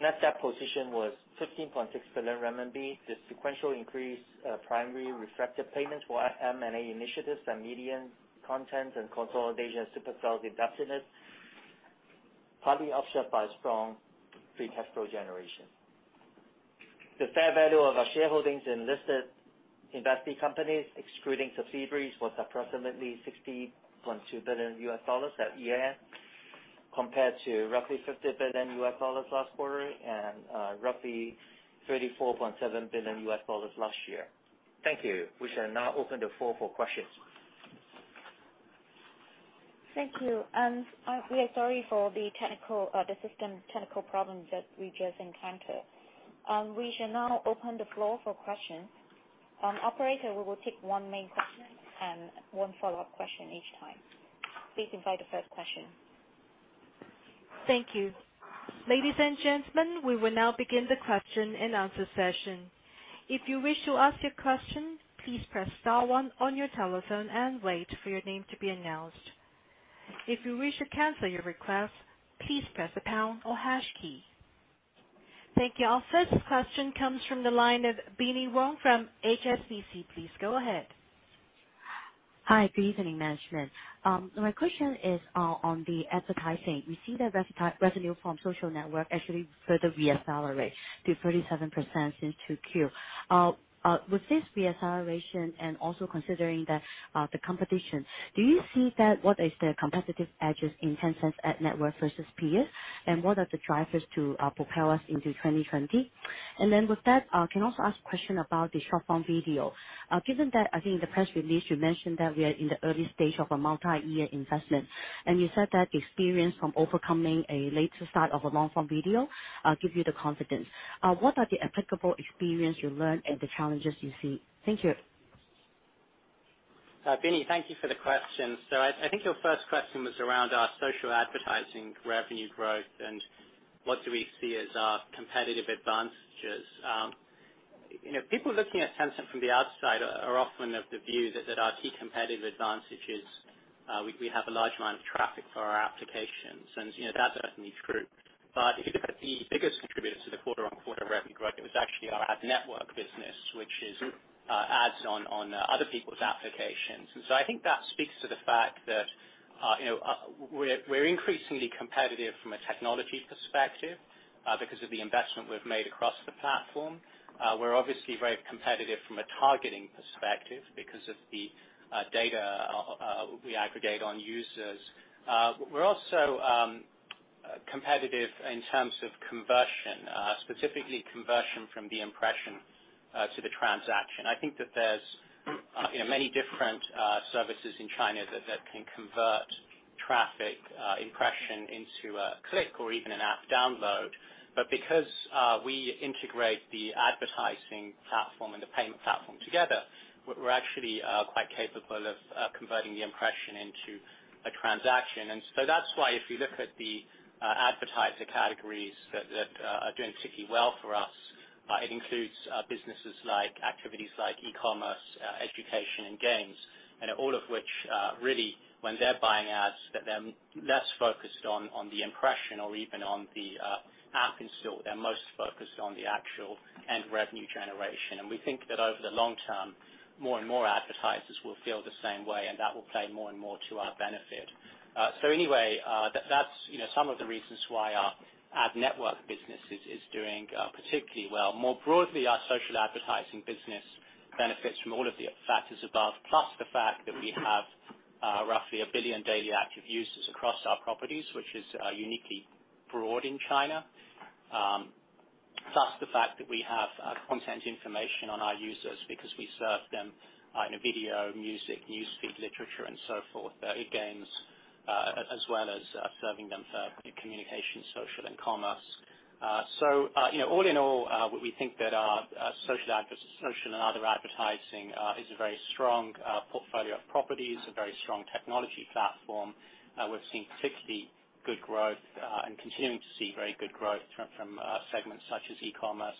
Net debt position was 15.6 billion RMB. The sequential increase primarily reflected payments for M&A initiatives and media content, and consolidation of Supercell indebtedness, partly offset by strong free cash flow generation. The fair value of our shareholdings in listed investee companies, excluding subsidiaries, was approximately $60.2 billion at year-end, compared to roughly $50 billion last quarter and roughly $34.7 billion last year. Thank you. We shall now open the floor for questions. Thank you. We are sorry for the system technical problems that we just encountered. We shall now open the floor for questions. Operator, we will take one main question and one follow-up question each time. Please invite the first question. Thank you. Ladies and gentlemen, we will now begin the question and answer session. If you wish to ask your question, please press star one on your telephone and wait for your name to be announced. If you wish to cancel your request, please press the pound or hash key. Thank you. Our first question comes from the line of Binnie Wong from HSBC. Please go ahead. Hi, good evening, management. My question is on the advertising. We see the revenue from social network actually further re-accelerate to 37% in 2Q. With this re-acceleration and also considering the competition, do you see that what is the competitive edges in Tencent ad network versus peers? What are the drivers to propel us into 2020? With that, can also ask a question about the short-form video. Given that, I think in the press release, you mentioned that we are in the early stage of a multi-year investment, and you said that the experience from overcoming a later start of a long-form video gives you the confidence. What are the applicable experience you learned and the challenges you see? Thank you. Binnie, thank you for the question. I think your first question was around our social advertising revenue growth and what do we see as our competitive advantages. People looking at Tencent from the outside are often of the view that our key competitive advantage is we have a large amount of traffic for our applications, and that's certainly true. If you look at the biggest contributors to the quarter-on-quarter revenue growth, it was actually our ad network business, which is ads on other people's applications. I think that speaks to the fact that we're increasingly competitive from a technology perspective because of the investment we've made across the platform. We're obviously very competitive from a targeting perspective because of the data we aggregate on users. We're also competitive in terms of conversion, specifically conversion from the impression to the transaction. I think that there's many different services in China that can convert traffic impression into a click or even an app download. Because we integrate the advertising platform and the payment platform together, we're actually quite capable of converting the impression into a transaction. That's why if you look at the advertiser categories that are doing particularly well for us, it includes businesses like activities like e-commerce, education, and games, and all of which, really, when they're buying ads, that they're less focused on the impression or even on the app install. They're most focused on the actual end revenue generation. We think that over the long term, more and more advertisers will feel the same way, and that will play more and more to our benefit. Anyway, that's some of the reasons why our ad network business is doing particularly well. More broadly, our social advertising business benefits from all of the factors above. The fact that we have roughly 1 billion daily active users across our properties, which is uniquely broad in China. The fact that we have content information on our users because we serve them in a video, music, newsfeed, literature, and so forth, games, as well as serving them for communication, social, and commerce. All in all, we think that our social and other advertising is a very strong portfolio of properties, a very strong technology platform. We've seen particularly good growth and continuing to see very good growth from segments such as e-commerce,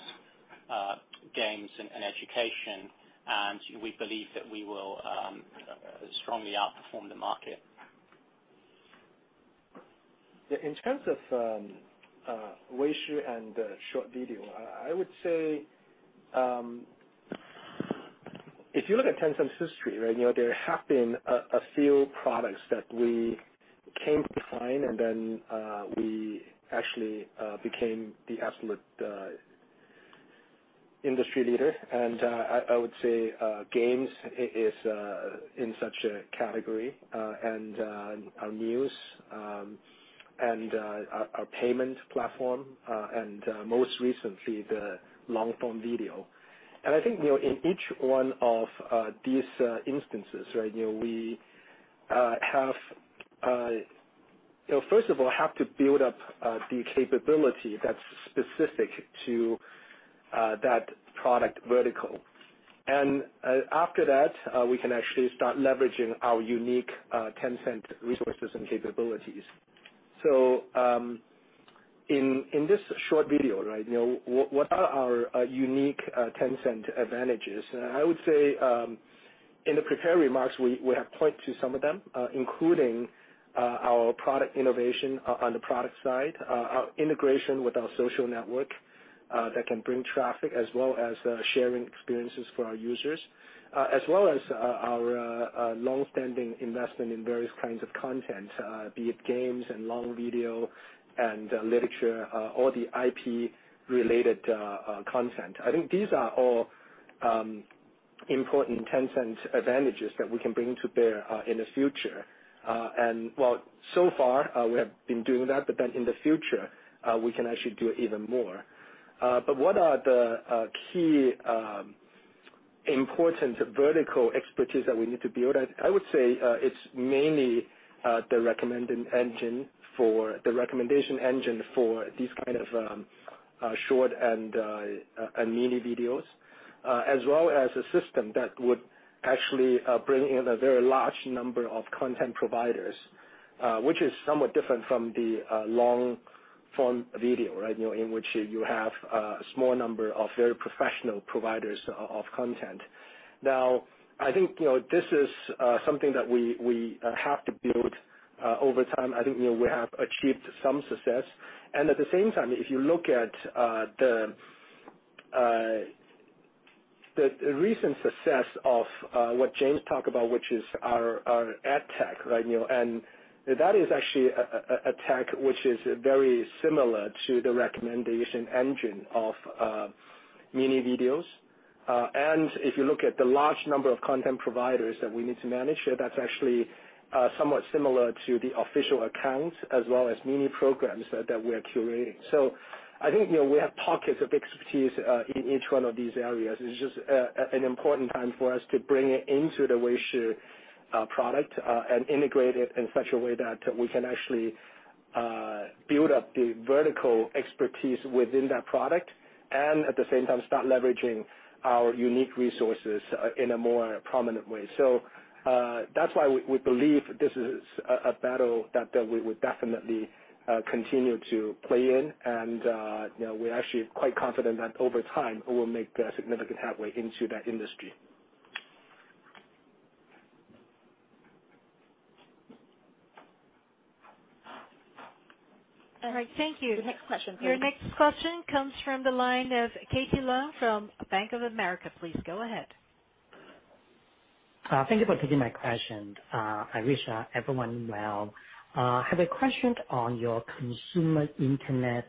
games, and education. We believe that we will strongly outperform the market. In terms of Weishi and short video. If you look at Tencent's history, there have been a few products that we came behind, then we actually became the absolute industry leader. I would say Games is in such a category, and our news, and our payment platform, and most recently, the long-form video. I think in each one of these instances, first of all, have to build up the capability that's specific to that product vertical. After that, we can actually start leveraging our unique Tencent resources and capabilities. In this short video, what are our unique Tencent advantages? I would say, in the prepared remarks, we have pointed to some of them, including our product innovation on the product side, our integration with our social network that can bring traffic, as well as sharing experiences for our users, as well as our longstanding investment in various kinds of content, be it games and long video and literature, all the IP-related content. I think these are all important Tencent advantages that we can bring to bear in the future. While so far we have been doing that, in the future, we can actually do even more. What are the key important vertical expertise that we need to build? I would say it's mainly the recommendation engine for these kind of short and mini videos, as well as a system that would actually bring in a very large number of content providers, which is somewhat different from the long-form video, in which you have a small number of very professional providers of content. Now, I think this is something that we have to build over time. I think we have achieved some success. At the same time, if you look at the recent success of what James talked about, which is our ad tech, and that is actually a tech which is very similar to the recommendation engine of mini videos. If you look at the large number of content providers that we need to manage, that's actually somewhat similar to the official accounts as well as Mini Programs that we are curating. I think, we have pockets of expertise in each one of these areas. It's just an important time for us to bring it into the Weishi product, and integrate it in such a way that we can actually build up the vertical expertise within that product, and at the same time, start leveraging our unique resources in a more prominent way. That's why we believe this is a battle that we would definitely continue to play in. We're actually quite confident that over time we will make a significant headway into that industry. All right. Thank you. The next question, please. Your next question comes from the line of Eddie Leung from Bank of America. Please go ahead. Thank you for taking my question. I wish everyone well. I have a question on your consumer internet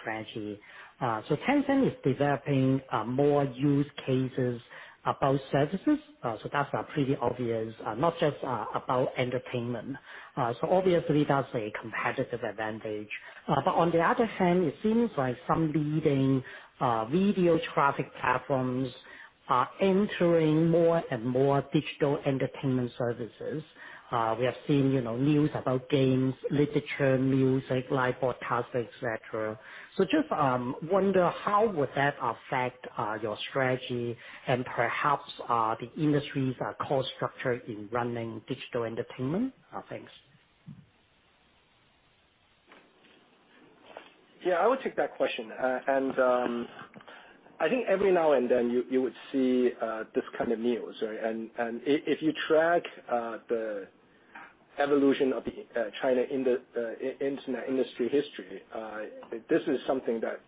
strategy. Tencent is developing more use cases about services, so that's pretty obvious, not just about entertainment. Obviously that's a competitive advantage. On the other hand, it seems like some leading video traffic platforms are entering more and more digital entertainment services. We have seen news about games, literature, music, live podcast, et cetera. Just wonder how would that affect your strategy and perhaps the industry's cost structure in running digital entertainment? Thanks. Yeah, I will take that question. I think every now and then you would see this kind of news, right? If you track the evolution of the China Internet industry history, this is something that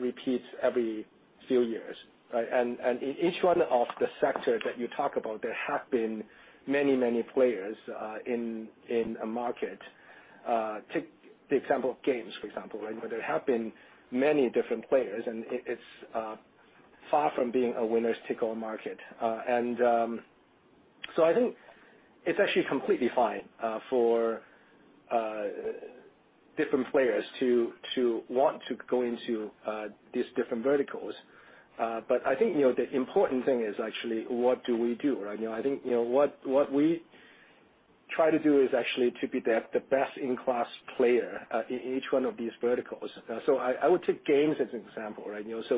repeats every few years, right? In each one of the sectors that you talk about, there have been many players in a market. Take the example of games, for example. There have been many different players, and it's far from being a winner's take-all market. I think it's actually completely fine for different players to want to go into these different verticals. I think the important thing is actually what do we do? I think what we try to do is actually to be the best-in-class player in each one of these verticals. I would take games as an example.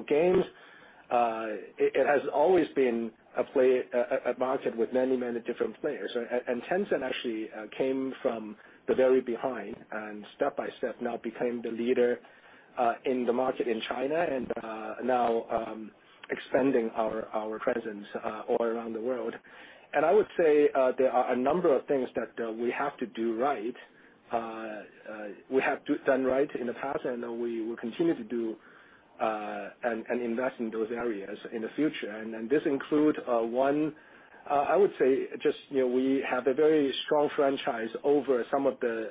Games, it has always been a market with many different players. Tencent actually came from the very behind and step by step now became the leader in the market in China and now expanding our presence all around the world. I would say there are a number of things that we have to do right. We have done right in the past, and we will continue to do and invest in those areas in the future. This includes, one, I would say just we have a very strong franchise over some of the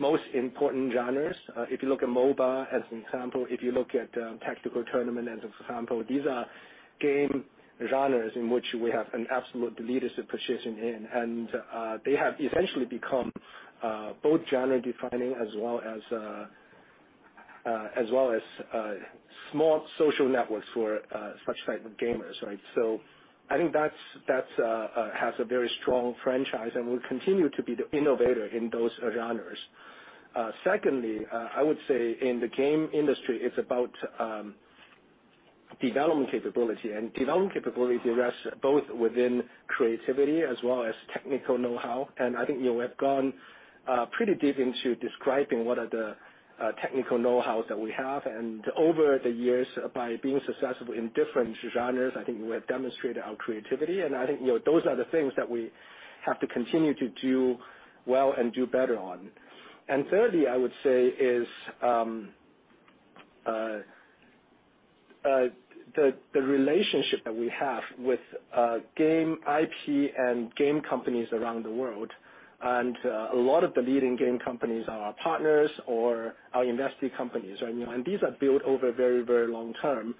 most important genres. If you look at mobile, as an example, if you look at tactical tournament as example, these are game genres in which we have an absolute leadership position in. They have essentially become both genre-defining as well as small social networks for such type of gamers, right? I think that has a very strong franchise and will continue to be the innovator in those genres. Secondly, I would say in the game industry, it's about development capability, and development capability rests both within creativity as well as technical know-how. I think we have gone pretty deep into describing what are the technical know-hows that we have. Over the years, by being successful in different genres, I think we have demonstrated our creativity, I think those are the things that we have to continue to do well and do better on. Thirdly, I would say is the relationship that we have with game IP and game companies around the world, a lot of the leading game companies are our partners or our invested companies. These are built over very long-term.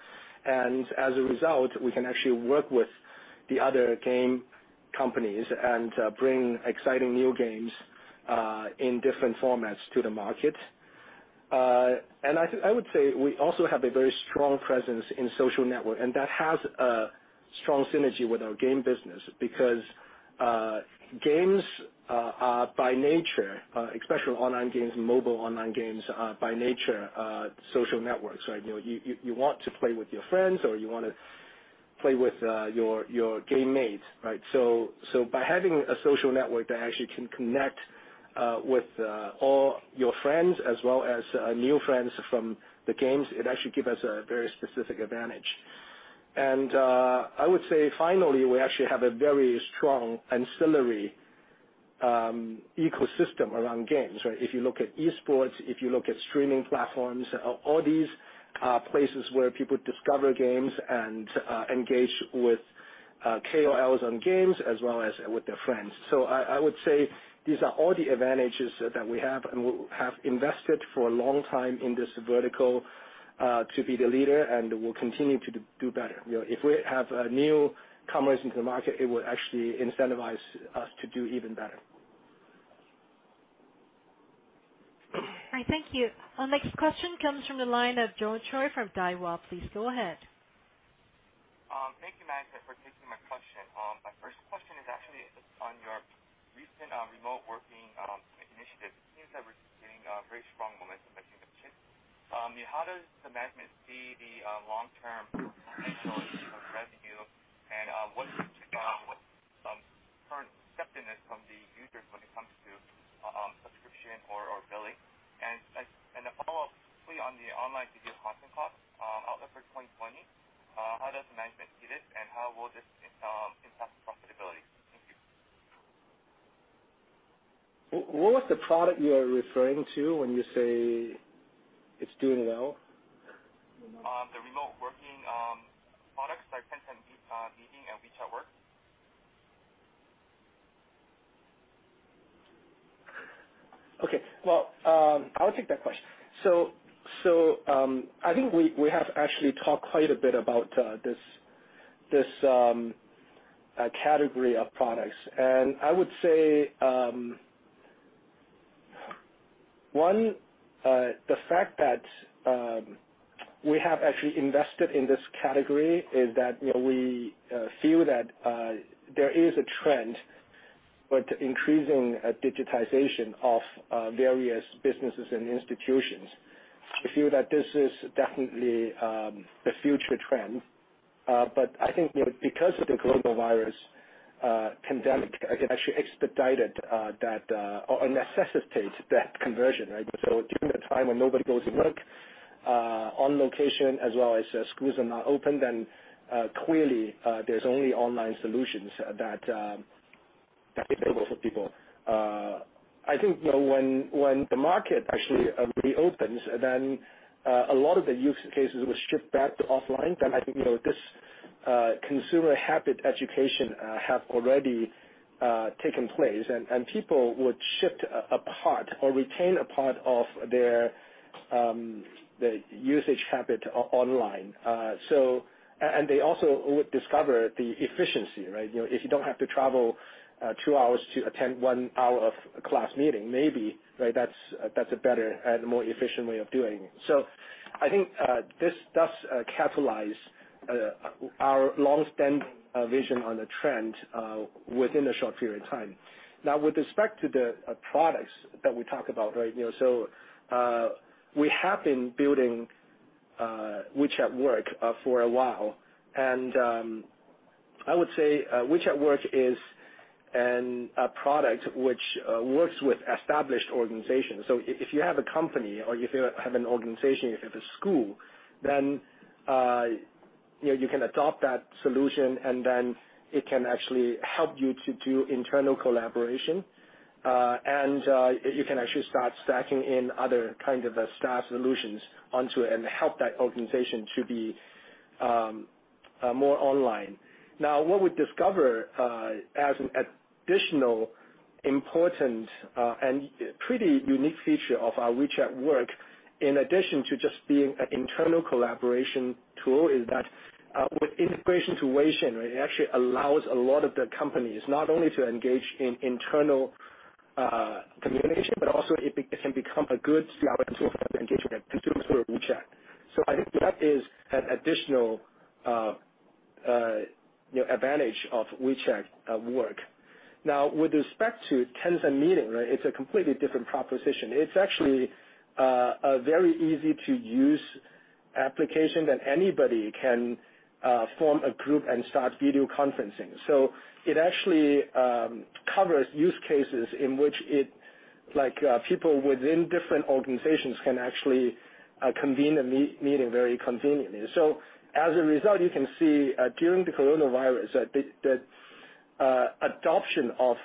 As a result, we can actually work with the other game companies and bring exciting new games in different formats to the market. I would say we also have a very strong presence in social network, and that has a strong synergy with our game business because games are, by nature, especially online games, mobile online games, are by nature social networks, right? You want to play with your friends, or you want to play with your game mates, right? By having a social network that actually can connect with all your friends as well as new friends from the games, it actually give us a very specific advantage. I would say, finally, we actually have a very strong ancillary ecosystem around games, right? If you look at esports, if you look at streaming platforms, all these are places where people discover games and engage with KOLs on games as well as with their friends. I would say these are all the advantages that we have, and we have invested for a long time in this vertical to be the leader, and we'll continue to do better. If we have new commerce into the market, it would actually incentivize us to do even better. All right. Thank you. Our next question comes from the line of John Choi from Daiwa. Please go ahead. Thank you, management, for taking my question. My first question is actually on your recent remote working initiative. It seems that we're seeing very strong momentum by Tencent. How does the management see the long-term potential of revenue, and what is the current acceptance from the users when it comes to subscription or billing? A follow-up quickly on the online video content cost outlook for 2020. How does management see this, and how will this impact profitability? Thank you. What was the product you are referring to when you say it's doing well? The remote working products like Tencent Meet and WeChat Work. Well, I'll take that question. I think we have actually talked quite a bit about this category of products. I would say, one, the fact that we have actually invested in this category is that we feel that there is a trend toward increasing digitization of various businesses and institutions. We feel that this is definitely the future trend. I think because of the coronavirus pandemic, it actually expedited that or necessitates that conversion, right? During the time when nobody goes to work on location as well as schools are not open, clearly there's only online solutions that are available for people. I think when the market actually reopens, a lot of the use cases will shift back to offline. I think this consumer habit education have already taken place, and people would shift a part or retain a part of their usage habit online. They also would discover the efficiency, right? If you don't have to travel two hours to attend one hour of class meeting, maybe, right? That's a better and more efficient way of doing it. I think this does catalyze our longstanding vision on the trend within a short period of time. With respect to the products that we talk about, right? We have been building WeChat Work for a while, and I would say WeChat Work is a product which works with established organizations. If you have a company or if you have an organization, if it's school, then you can adopt that solution, and then it can actually help you to do internal collaboration, and you can actually start stacking in other staff solutions onto it and help that organization to be more online. What we discover as an additional important and pretty unique feature of our WeChat Work, in addition to just being an internal collaboration tool, is that with integration to Weixin, it actually allows a lot of the companies not only to engage in internal communication, but also it can become a good sales tool for engagement with consumers through WeChat. I think that is an additional advantage of WeChat Work. With respect to Tencent Meeting, it's a completely different proposition. It's actually a very easy-to-use application that anybody can form a group and start video conferencing. It actually covers use cases in which people within different organizations can actually convene a meeting very conveniently. As a result, you can see during the coronavirus, the adoption of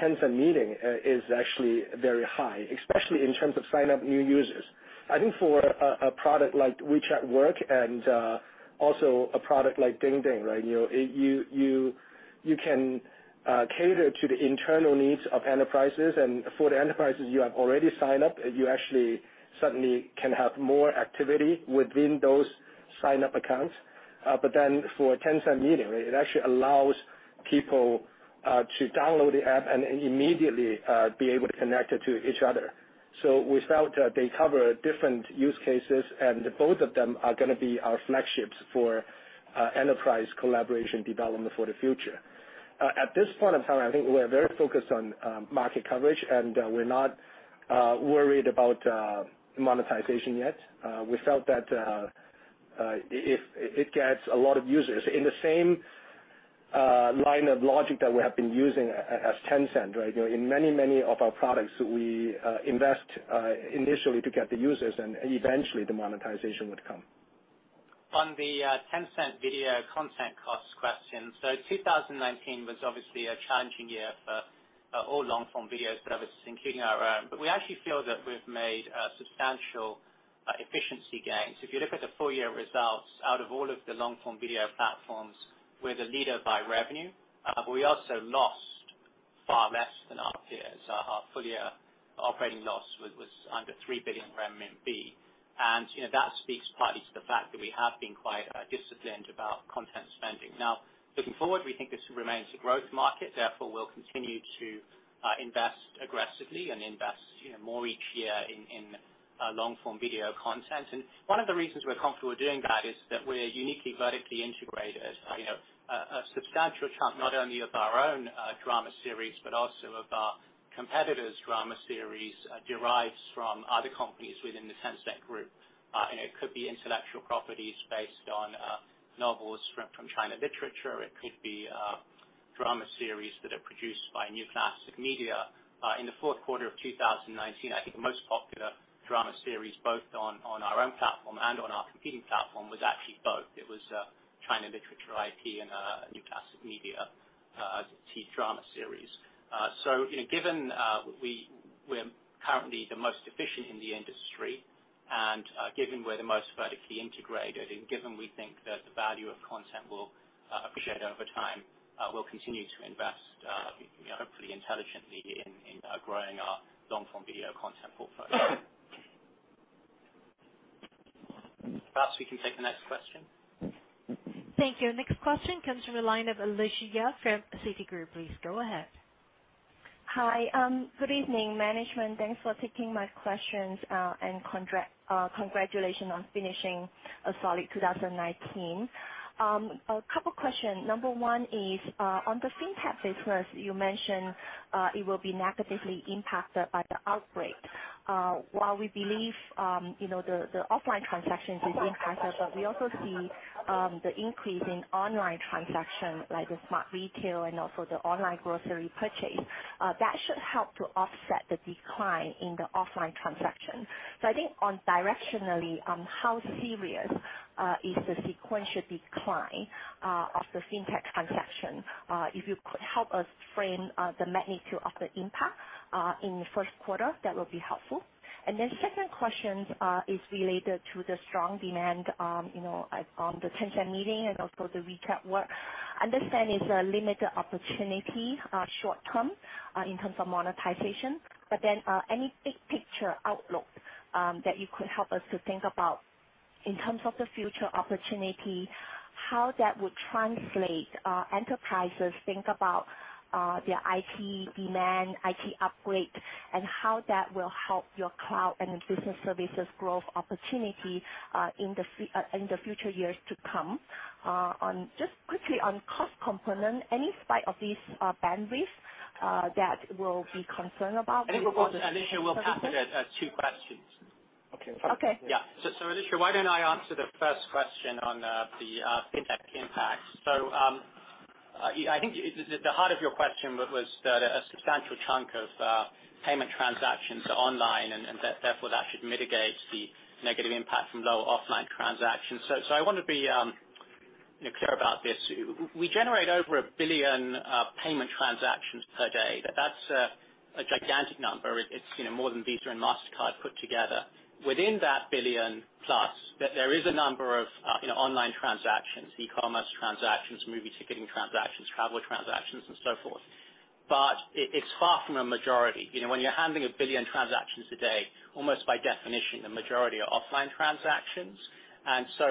Tencent Meeting is actually very high, especially in terms of sign-up new users. I think for a product like WeChat Work and also a product like DingDing, you can cater to the internal needs of enterprises. For the enterprises you have already signed up, you actually suddenly can have more activity within those sign-up accounts. For a Tencent Meeting, it actually allows people to download the app and immediately be able to connect it to each other. We felt they cover different use cases, and both of them are going to be our flagships for enterprise collaboration development for the future. At this point in time, I think we are very focused on market coverage. We're not worried about monetization yet. We felt that if it gets a lot of users, in the same line of logic that we have been using as Tencent. In many of our products, we invest initially to get the users. Eventually the monetization would come. On the Tencent Video content cost question. 2019 was obviously a challenging year for all long-form video services, including our own. We actually feel that we've made substantial efficiency gains. If you look at the full-year results, out of all of the long-form video platforms, we're the leader by revenue. We also lost far less than our peers. Our full-year operating loss was under 3 billion RMB. That speaks partly to the fact that we have been quite disciplined about content spending. Now, looking forward, we think this remains a growth market. Therefore, we'll continue to invest aggressively and invest more each year in long-form video content. One of the reasons we're comfortable doing that is that we're uniquely vertically integrated. A substantial chunk, not only of our own drama series, but also of our competitors' drama series, derives from other companies within the Tencent Group. It could be intellectual properties based on novels from China Literature. It could be drama series that are produced by New Classics Media. In the fourth quarter of 2019, I think the most popular drama series, both on our own platform and on our competing platform, was actually both. It was China Literature IP and New Classics Media TV drama series. Given we're currently the most efficient in the industry, and given we're the most vertically integrated, and given we think that the value of content will appreciate over time, we'll continue to invest, hopefully intelligently, in growing our long-form video content portfolio. Perhaps we can take the next question. Thank you. Next question comes from the line of Alicia Yap from Citigroup. Please go ahead. Hi. Good evening, management. Thanks for taking my questions. Congratulations on finishing a solid 2019. A couple questions. Number one is, on the fintech business, you mentioned it will be negatively impacted by the outbreak. While we believe the offline transactions are impacted, we also see the increase in online transaction, like the smart retail and also the online grocery purchase. That should help to offset the decline in the offline transaction. I think directionally on how serious is the sequential decline of the fintech transaction? If you could help us frame the magnitude of the impact in the first quarter, that would be helpful. Second question is related to the strong demand on the Tencent Meeting and also the WeChat Work. Understand it's a limited opportunity short-term in terms of monetization. Any big picture outlook that you could help us to think about in terms of the future opportunity, how that would translate enterprises think about their IT demand, IT upgrade, and how that will help your cloud and business services growth opportunity in the future years to come. Just quickly on cost component, any spike of these bandwidth that we'll be concerned about? I think, Alicia, we'll take it as two questions. Okay. Okay. Yeah. Alicia, why don't I answer the first question on the fintech. I think the heart of your question was that a substantial chunk of payment transactions are online, and therefore that should mitigate the negative impact from low offline transactions. I want to be clear about this. We generate over 1 billion payment transactions per day. That's a gigantic number. It's more than Visa and Mastercard put together. Within that 1 billion plus, there is a number of online transactions, e-commerce transactions, movie ticketing transactions, travel transactions, and so forth. It's far from a majority. When you're handling 1 billion transactions a day, almost by definition, the majority are offline transactions.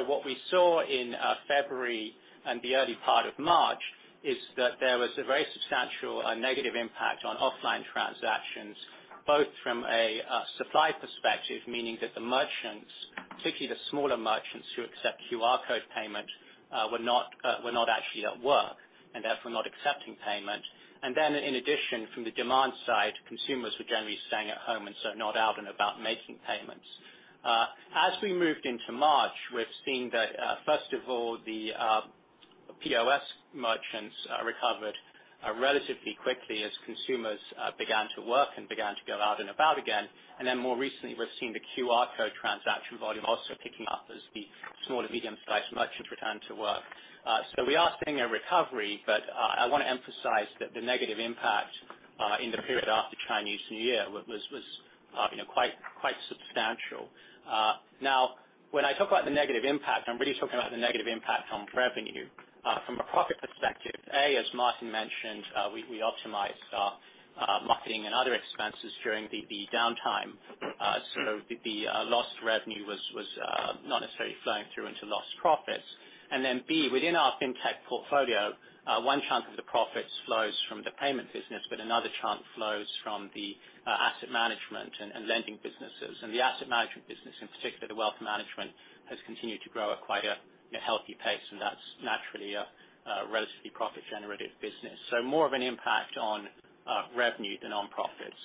What we saw in February and the early part of March is that there was a very substantial negative impact on offline transactions, both from a supply perspective, meaning that the merchants, particularly the smaller merchants who accept QR code payment were not actually at work, and therefore not accepting payment. In addition, from the demand side, consumers were generally staying at home and so not out and about making payments. As we moved into March, we've seen that, first of all, the POS merchants recovered relatively quickly as consumers began to work and began to be out and about again. More recently, we've seen the QR code transaction volume also picking up as the small to medium-sized merchants return to work. We are seeing a recovery, but I want to emphasize that the negative impact in the period after Chinese New Year was quite substantial. When I talk about the negative impact, I'm really talking about the negative impact on revenue. From a profit perspective, A, as Martin mentioned, we optimized marketing and other expenses during the downtime. The lost revenue was not necessarily flowing through into lost profits. B, within our fintech portfolio, one chunk of the profits flows from the payment business, but another chunk flows from the asset management and lending businesses. The asset management business, in particular the wealth management, has continued to grow at quite a healthy pace, and that's naturally a relatively profit-generative business. More of an impact on revenue than on profits.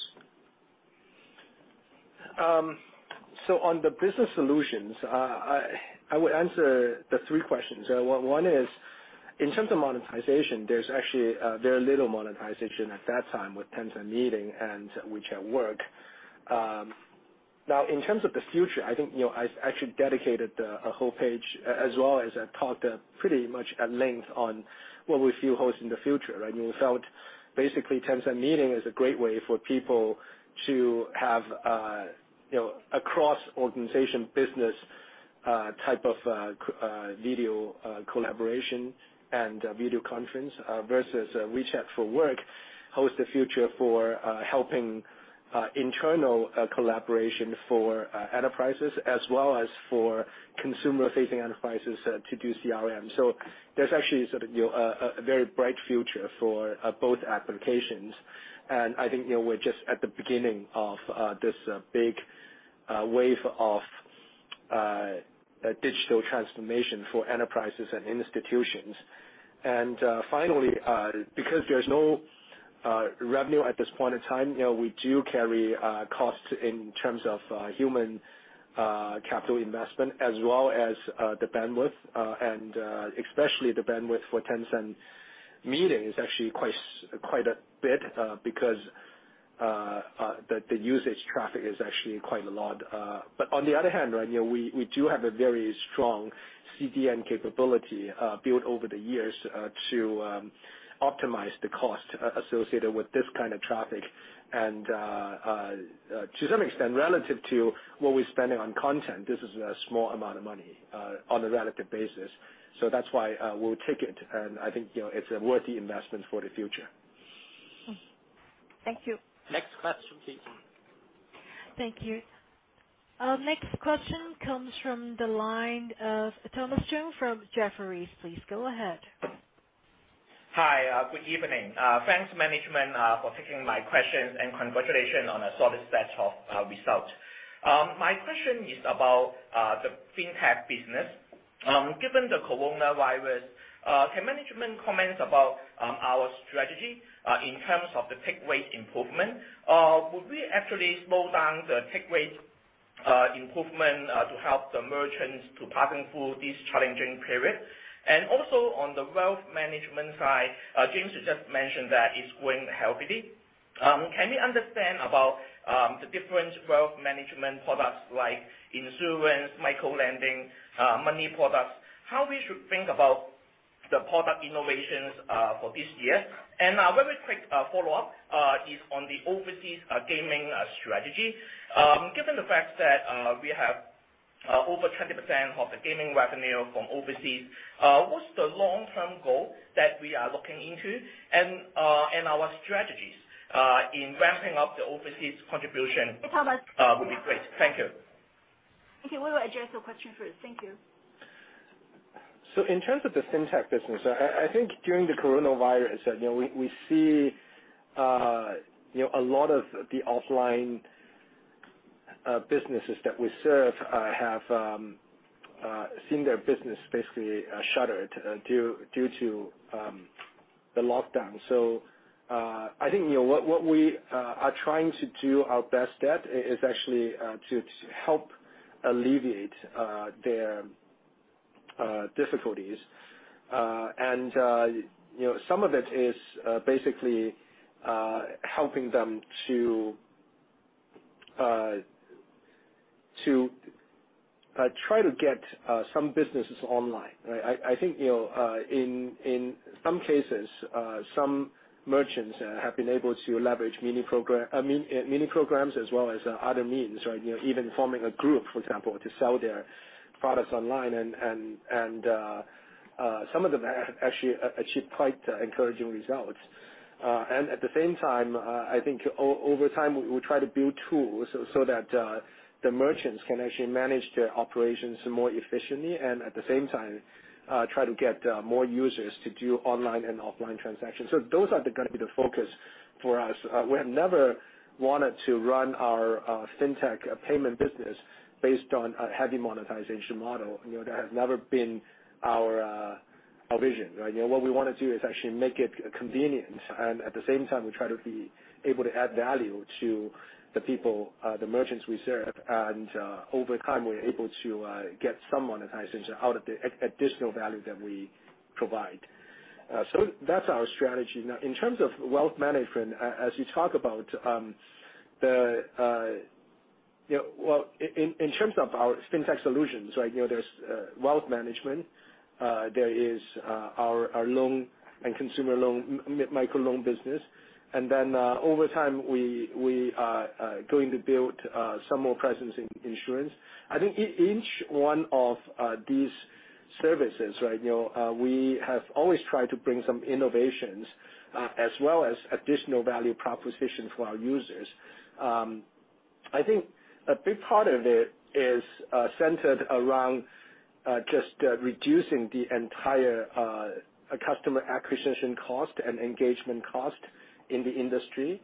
On the business solutions, I would answer the three questions. One is, in terms of monetization, there's actually very little monetization at that time with Tencent Meeting and WeChat Work. In terms of the future, I think I've actually dedicated a whole page, as well as I've talked pretty much at length on what we see holds in the future, right. We felt basically Tencent Meeting is a great way for people to have across organization business type of video collaboration and video conference versus WeChat Work holds the future for helping internal collaboration for enterprises as well as for consumer-facing enterprises to do CRM. There's actually a very bright future for both applications, and I think we're just at the beginning of this big wave of digital transformation for enterprises and institutions. Finally, because there's no revenue at this point in time, we do carry costs in terms of human capital investment as well as the bandwidth, and especially the bandwidth for Tencent Meeting is actually quite a bit because the usage traffic is actually quite a lot. On the other hand, we do have a very strong CDN capability built over the years to optimize the cost associated with this kind of traffic. To some extent, relative to what we're spending on content, this is a small amount of money on a relative basis. That's why we'll take it, and I think it's a worthy investment for the future. Thank you. Next question, please. Thank you. Next question comes from the line of Thomas Chong from Jefferies. Please go ahead. Hi. Good evening. Thanks, management, for taking my questions, and congratulations on a solid set of results. My question is about the fintech business. Given the coronavirus, can management comment about our strategy in terms of the take rate improvement? Would we actually slow down the take rate improvement to help the merchants to partner through this challenging period? Also on the wealth management side, James just mentioned that it's growing healthily. Can we understand about the different wealth management products like insurance, micro-lending, money products, how we should think about the product innovations for this year? A very quick follow-up is on the overseas gaming strategy. Given the fact that we have over 20% of the gaming revenue from overseas, what's the long-term goal that we are looking into and our strategies in ramping up the overseas contribution. Hey, Thomas. Would be great. Thank you. Okay. We will address your question first. Thank you. In terms of the fintech business, I think during the coronavirus, we see a lot of the offline businesses that we serve have seen their business basically shuttered due to the lockdown. I think what we are trying to do our best at is actually to help alleviate their difficulties. Some of it is basically helping them to try to get some businesses online, right? I think, in some cases, some merchants have been able to leverage Mini Programs as well as other means, right? Even forming a group, for example, to sell their products online and some of them have actually achieved quite encouraging results. At the same time, I think over time, we try to build tools so that the merchants can actually manage their operations more efficiently, and at the same time try to get more users to do online and offline transactions. Those are going to be the focus for us. We have never wanted to run our fintech payment business based on a heavy monetization model. That has never been our vision, right? What we want to do is actually make it convenient, and at the same time we try to be able to add value to the people, the merchants we serve, and, over time, we're able to get some monetization out of the additional value that we provide. That's our strategy. Now, in terms of wealth management, as you talk about, well, in terms of our fintech solutions, right, there's wealth management, there is our loan and consumer loan, microloan business, and then, over time, we are going to build some more presence in insurance. I think each one of these services, right, we have always tried to bring some innovations, as well as additional value propositions for our users. I think a big part of it is centered around just reducing the entire customer acquisition cost and engagement cost in the industry.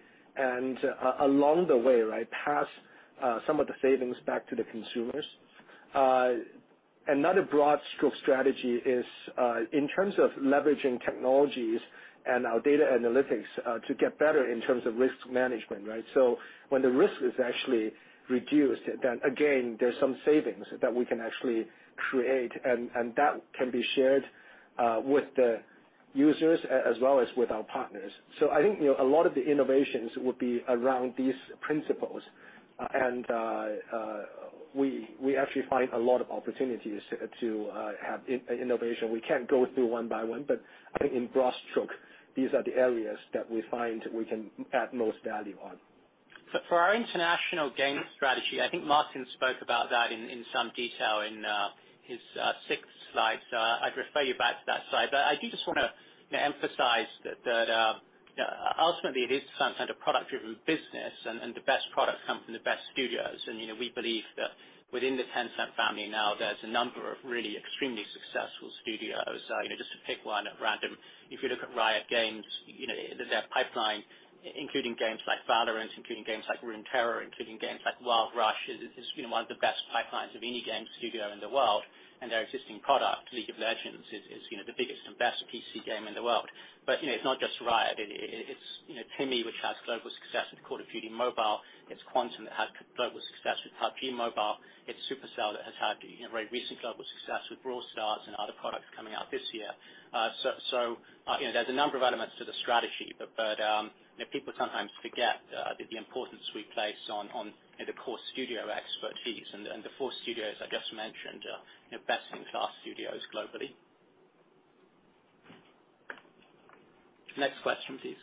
Along the way, right, pass some of the savings back to the consumers. Another broad stroke strategy is, in terms of leveraging technologies and our data analytics, to get better in terms of risk management, right? When the risk is actually reduced, then again, there's some savings that we can actually create, and that can be shared with the users as well as with our partners. I think, a lot of the innovations would be around these principles. We actually find a lot of opportunities to have innovation. We can't go through one by one, but I think in broad strokes, these are the areas that we find we can add most value on. For our international game strategy, I think Martin spoke about that in some detail in his sixth slide. I'd refer you back to that slide. I do just want to emphasize that ultimately it is some kind of product-driven business and the best products come from the best studios. We believe that within the Tencent family now, there's a number of really extremely successful studios. Just to pick one at random, if you look at Riot Games, their pipeline, including games like Valorant, including games like Legends of Runeterra, including games like League of Legends: Wild Rift, is one of the best pipelines of any game studio in the world. Their existing product, League of Legends, is the biggest and best PC game in the world. It's not just Riot. It's TiMi, which has global success with Call of Duty: Mobile. It's LightSpeed Studios that had global success with PUBG Mobile. It's Supercell that has had very recent global success with Brawl Stars and other products coming out this year. There's a number of elements to the strategy, but people sometimes forget the importance we place on the core studio expertise and the four studios I just mentioned are best-in-class studios globally. Next question, please.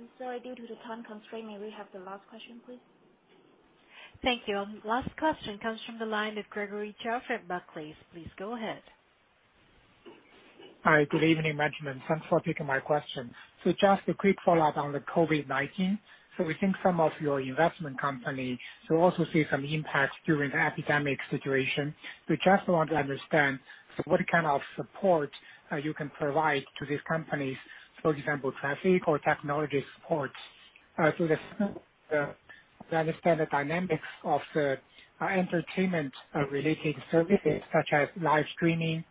Due to the time constraint, may we have the last question please? Thank you. Last question comes from the line of Gregory Zhao from Barclays. Please go ahead. Hi. Good evening, gentlemen. Thanks for taking my question. Just a quick follow-up on the COVID-19. We think some of your investment companies will also see some impact during the epidemic situation. We just want to understand what kind of support you can provide to these companies, for example, traffic or technology support. To the extent that we understand the dynamics of the entertainment-related services such as live streaming,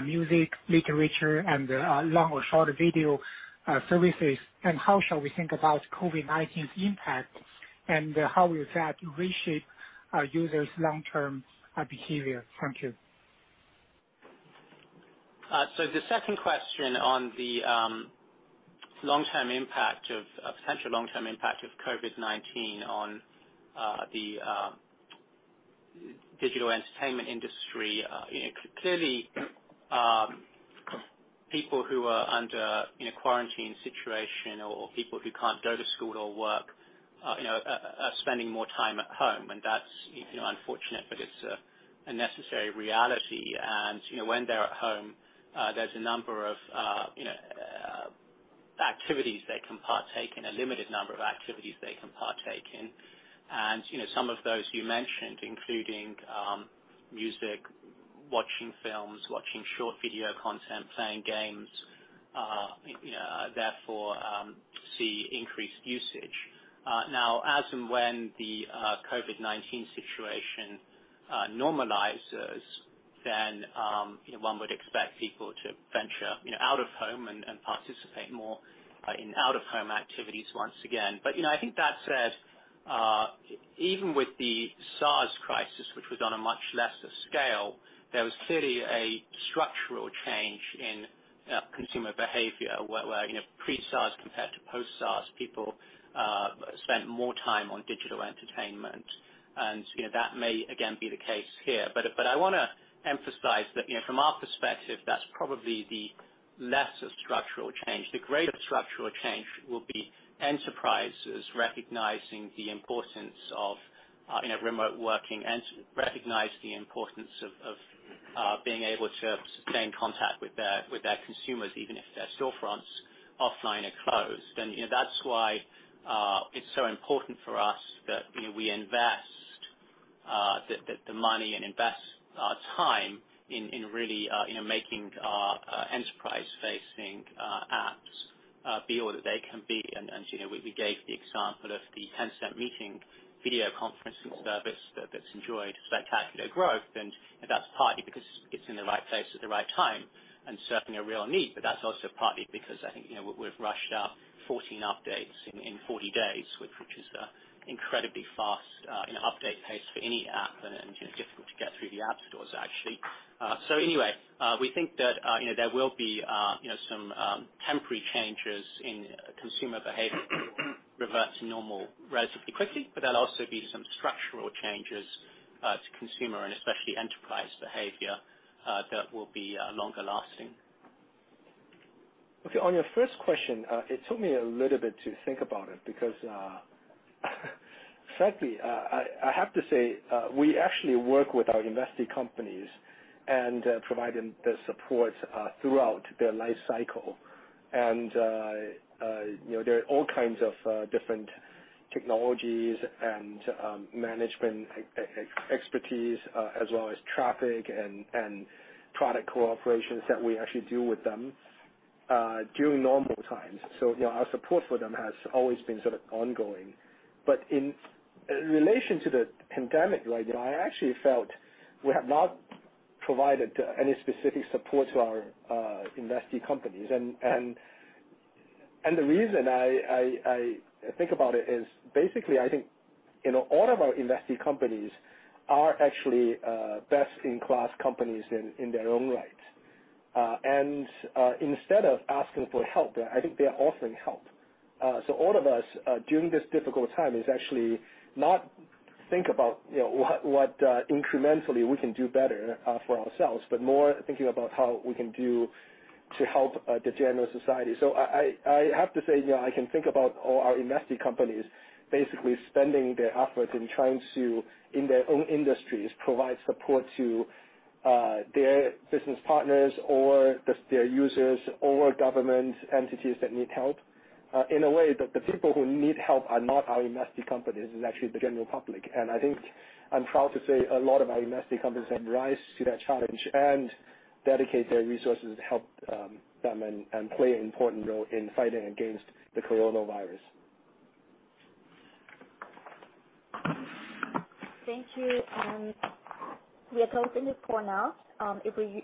music, literature, and long or short video services, and how shall we think about COVID-19's impact and how will that reshape our users' long-term behavior? Thank you. The second question on the potential long-term impact of COVID-19 on the digital entertainment industry, clearly, people who are under quarantine situation or people who can't go to school or work are spending more time at home, and that's unfortunate, but it's a necessary reality. When they're at home, there's a number of activities they can partake in, a limited number of activities they can partake in. Some of those you mentioned, including music, watching films, watching short video content, playing games. [inaudible] increased usage. Now as and when the COVID-19 situation normalizes, one would expect people to venture out of home and participate more in out-of-home activities once again. I think that said, even with the SARS crisis, which was on a much lesser scale, there was clearly a structural change in consumer behavior where pre-SARS compared to post-SARS, people spent more time on digital entertainment. That may again be the case here. I want to emphasize that from our perspective, that's probably the lesser structural change. The greater structural change will be enterprises recognizing the importance of remote working and recognize the importance of being able to sustain contact with their consumers, even if their storefronts offline are closed. That's why it's so important for us that we invest the money and invest our time in really making enterprise-facing apps be all that they can be. We gave the example of the Tencent Meeting video conferencing service that's enjoyed spectacular growth. That's partly because it's in the right place at the right time and serving a real need. That's also partly because I think, we've rushed out 14 updates in 40 days, which is an incredibly fast update pace for any app and difficult to get through the app stores actually. Anyway, we think that there will be some temporary changes in consumer behavior revert to normal relatively quickly, but there'll also be some structural changes to consumer and especially enterprise behavior, that will be longer lasting. Okay. On your first question, it took me a little bit to think about it because frankly, I have to say, we actually work with our investee companies and provide them the support throughout their life cycle. There are all kinds of different technologies and management expertise, as well as traffic and product cooperations that we actually do with them during normal times. Our support for them has always been sort of ongoing. In relation to the pandemic, I actually felt we have not provided any specific support to our investee companies. The reason I think about it is basically, I think all of our investee companies are actually best-in-class companies in their own right. Instead of asking for help, I think they are offering help. All of us during this difficult time is actually not think about what incrementally we can do better for ourselves, but more thinking about how we can do to help the general society. I have to say, I can think about all our investee companies basically spending their efforts in trying to, in their own industries, provide support to their business partners or their users or government entities that need help. In a way, the people who need help are not our investee companies, it's actually the general public. I think I'm proud to say a lot of our investee companies have rise to that challenge and dedicated their resources to help them and play an important role in fighting against the coronavirus. Thank you. We are closing the call now. If you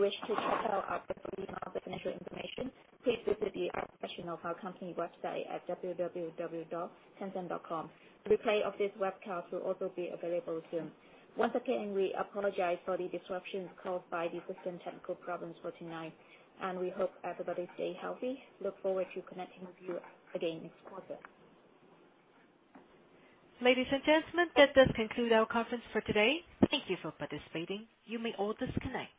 wish to check out our complete financial information, please visit the Investor section of our company website at www.tencent.com. A replay of this webcast will also be available soon. Once again, we apologize for the disruptions caused by the system technical problems for tonight, and we hope everybody stay healthy. Look forward to connecting with you again next quarter. Ladies and gentlemen, that does conclude our conference for today. Thank you for participating. You may all disconnect.